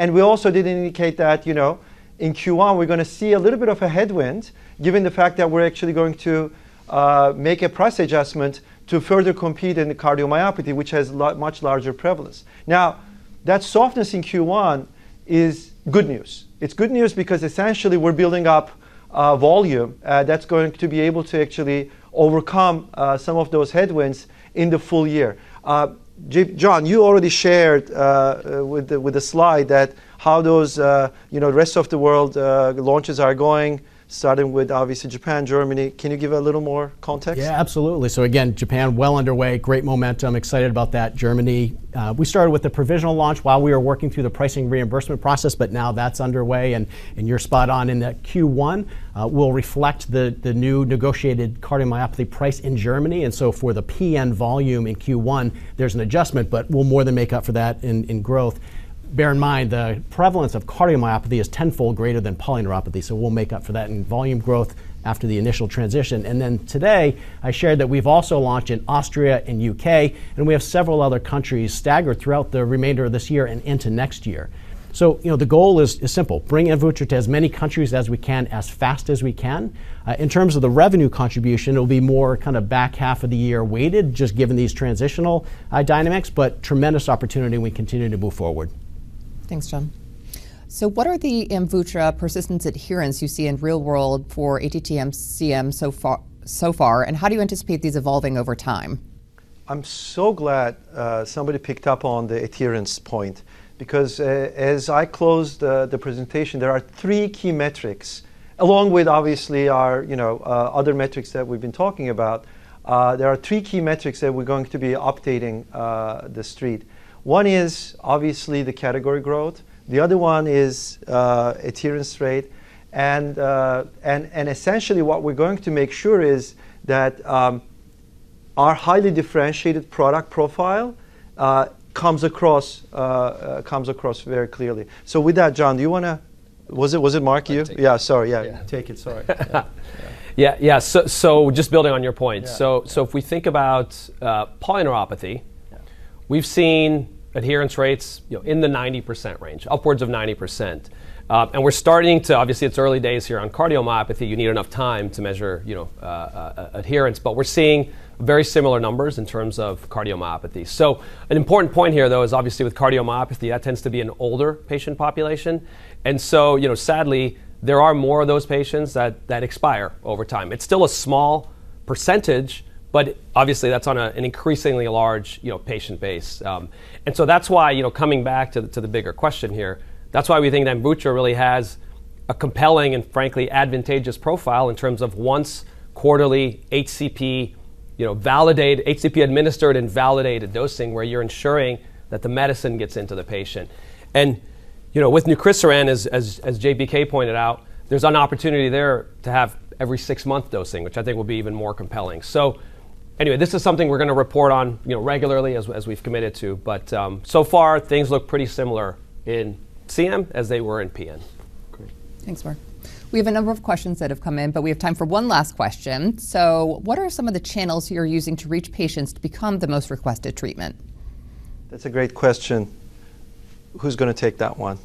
We also did indicate that, you know, in Q1, we're gonna see a little bit of a headwind, given the fact that we're actually going to make a price adjustment to further compete in the cardiomyopathy, which has much larger prevalence. Now, that softness in Q1 is good news. It's good news because essentially we're building up volume that's going to be able to actually overcome some of those headwinds in the full year. John, you already shared with the slide that shows how those, you know, rest of the world launches are going, starting with obviously Japan, Germany. Can you give a little more context? Yeah, absolutely. Again, Japan, well underway, great momentum. Excited about that. Germany, we started with the provisional launch while we were working through the pricing reimbursement process, but now that's underway and you're spot on in that Q1 will reflect the new negotiated cardiomyopathy price in Germany. For the PN volume in Q1, there's an adjustment, but we'll more than make up for that in growth. Bear in mind, the prevalence of cardiomyopathy is tenfold greater than polyneuropathy, so we'll make up for that in volume growth after the initial transition. Today, I shared that we've also launched in Austria and U.K., and we have several other countries staggered throughout the remainder of this year and into next year. You know, the goal is simple, bring AMVUTTRA to as many countries as we can, as fast as we can. In terms of the revenue contribution, it'll be more kind of back half of the year weighted, just given these transitional dynamics, but tremendous opportunity and we continue to move forward. Thanks, John. What are the AMVUTTRA persistence, adherence you see in real world for ATTR-CM so far, and how do you anticipate these evolving over time? I'm so glad somebody picked up on the adherence point because as I closed the presentation, there are three key metrics along with obviously our, you know, other metrics that we've been talking about. There are three key metrics that we're going to be updating the Street. One is obviously the category growth. The other one is adherence rate. And essentially what we're going to make sure is that our highly differentiated product profile comes across very clearly. With that, John, do you wanna—was it Mark you— I'll take it. Yeah, sorry. Yeah. Yeah. You take it. Sorry. Yeah. Just building on your point. Yeah. If we think about polyneuropathy. We've seen adherence rates, you know, in the 90% range, upwards of 90%. Obviously, it's early days here on cardiomyopathy. You need enough time to measure, you know, adherence. We're seeing very similar numbers in terms of cardiomyopathy. An important point here, though, is obviously with cardiomyopathy, that tends to be an older patient population. Sadly, you know, there are more of those patients that expire over time. It's still a small percentage, but obviously that's on an increasingly large, you know, patient base. That's why, you know, coming back to the bigger question here, that's why we think AMVUTTRA really has a compelling and frankly advantageous profile in terms of once-quarterly HCP, you know, validated HCP administered and validated dosing where you're ensuring that the medicine gets into the patient. You know, with nucresiran as JPK pointed out, there's an opportunity there to have every-six-month dosing, which I think will be even more compelling. Anyway, this is something we're gonna report on, you know, regularly as we've committed to. So far things look pretty similar in CM as they were in PN. Great. Thanks, Mark. We have a number of questions that have come in, but we have time for one last question. What are some of the channels you're using to reach patients to become the most requested treatment? That's a great question. Who's gonna take that one?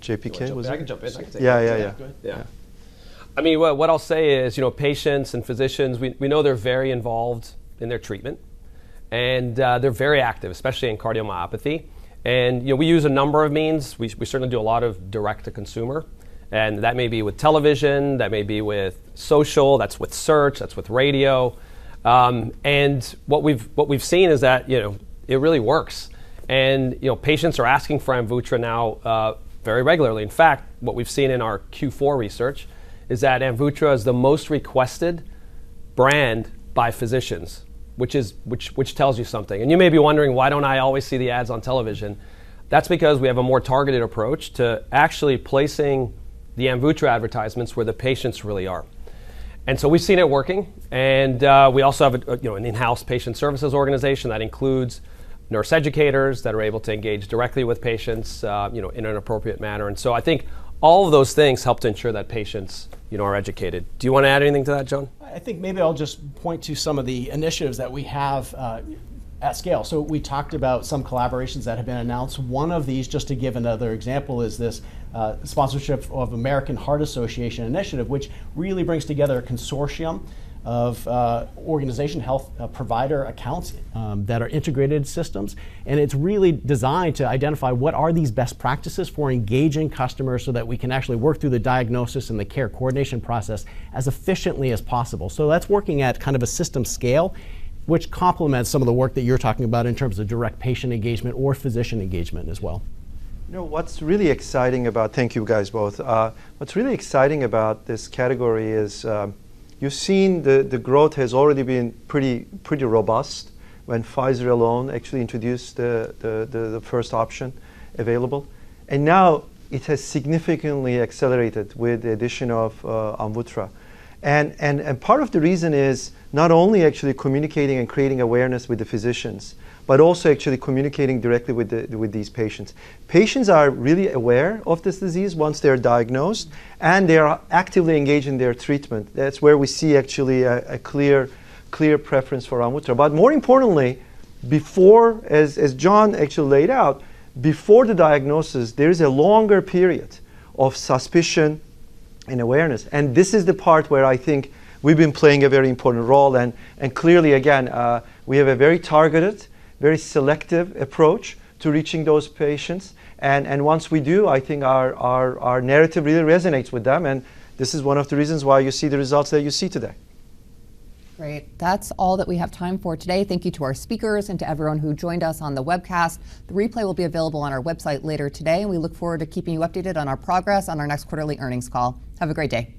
JPK, was it? Do you want to jump in? I can jump in. I can take it. Yeah, yeah. I mean, what I'll say is, you know, patients and physicians, we know they're very involved in their treatment and, they're very active, especially in cardiomyopathy. You know, we use a number of means. We certainly do a lot of direct-to-consumer, and that may be with television, that may be with social, that's with search, that's with radio. What we've seen is that, you know, it really works. You know, patients are asking for AMVUTTRA now, very regularly. In fact, what we've seen in our Q4 research is that AMVUTTRA is the most requested brand by physicians, which tells you something. You may be wondering, why don't I always see the ads on television? That's because we have a more targeted approach to actually placing the AMVUTTRA advertisements where the patients really are. We've seen it working and we also have a you know, an in-house patient services organization that includes nurse educators that are able to engage directly with patients you know, in an appropriate manner. I think all of those things help to ensure that patients you know, are educated. Do you wanna add anything to that, John? I think maybe I'll just point to some of the initiatives that we have at scale. We talked about some collaborations that have been announced. One of these, just to give another example, is this sponsorship of American Heart Association initiative, which really brings together a consortium of organization health provider accounts that are integrated systems. It's really designed to identify what are these best practices for engaging customers so that we can actually work through the diagnosis and the care coordination process as efficiently as possible. That's working at kind of a system scale, which complements some of the work that you're talking about in terms of direct patient engagement or physician engagement as well. Thank you guys both. What's really exciting about this category is, you've seen the growth has already been pretty robust when Pfizer alone actually introduced the first option available, and now it has significantly accelerated with the addition of AMVUTTRA. Part of the reason is not only actually communicating and creating awareness with the physicians, but also actually communicating directly with these patients. Patients are really aware of this disease once they're diagnosed, and they are actively engaged in their treatment. That's where we see actually a clear preference for AMVUTTRA. But more importantly, before. As John actually laid out, before the diagnosis, there is a longer period of suspicion and awareness, and this is the part where I think we've been playing a very important role and clearly, again, we have a very targeted, very selective approach to reaching those patients. Once we do, I think our narrative really resonates with them and this is one of the reasons why you see the results that you see today. Great. That's all that we have time for today. Thank you to our speakers and to everyone who joined us on the webcast. The replay will be available on our website later today, and we look forward to keeping you updated on our progress on our next quarterly earnings call. Have a great day.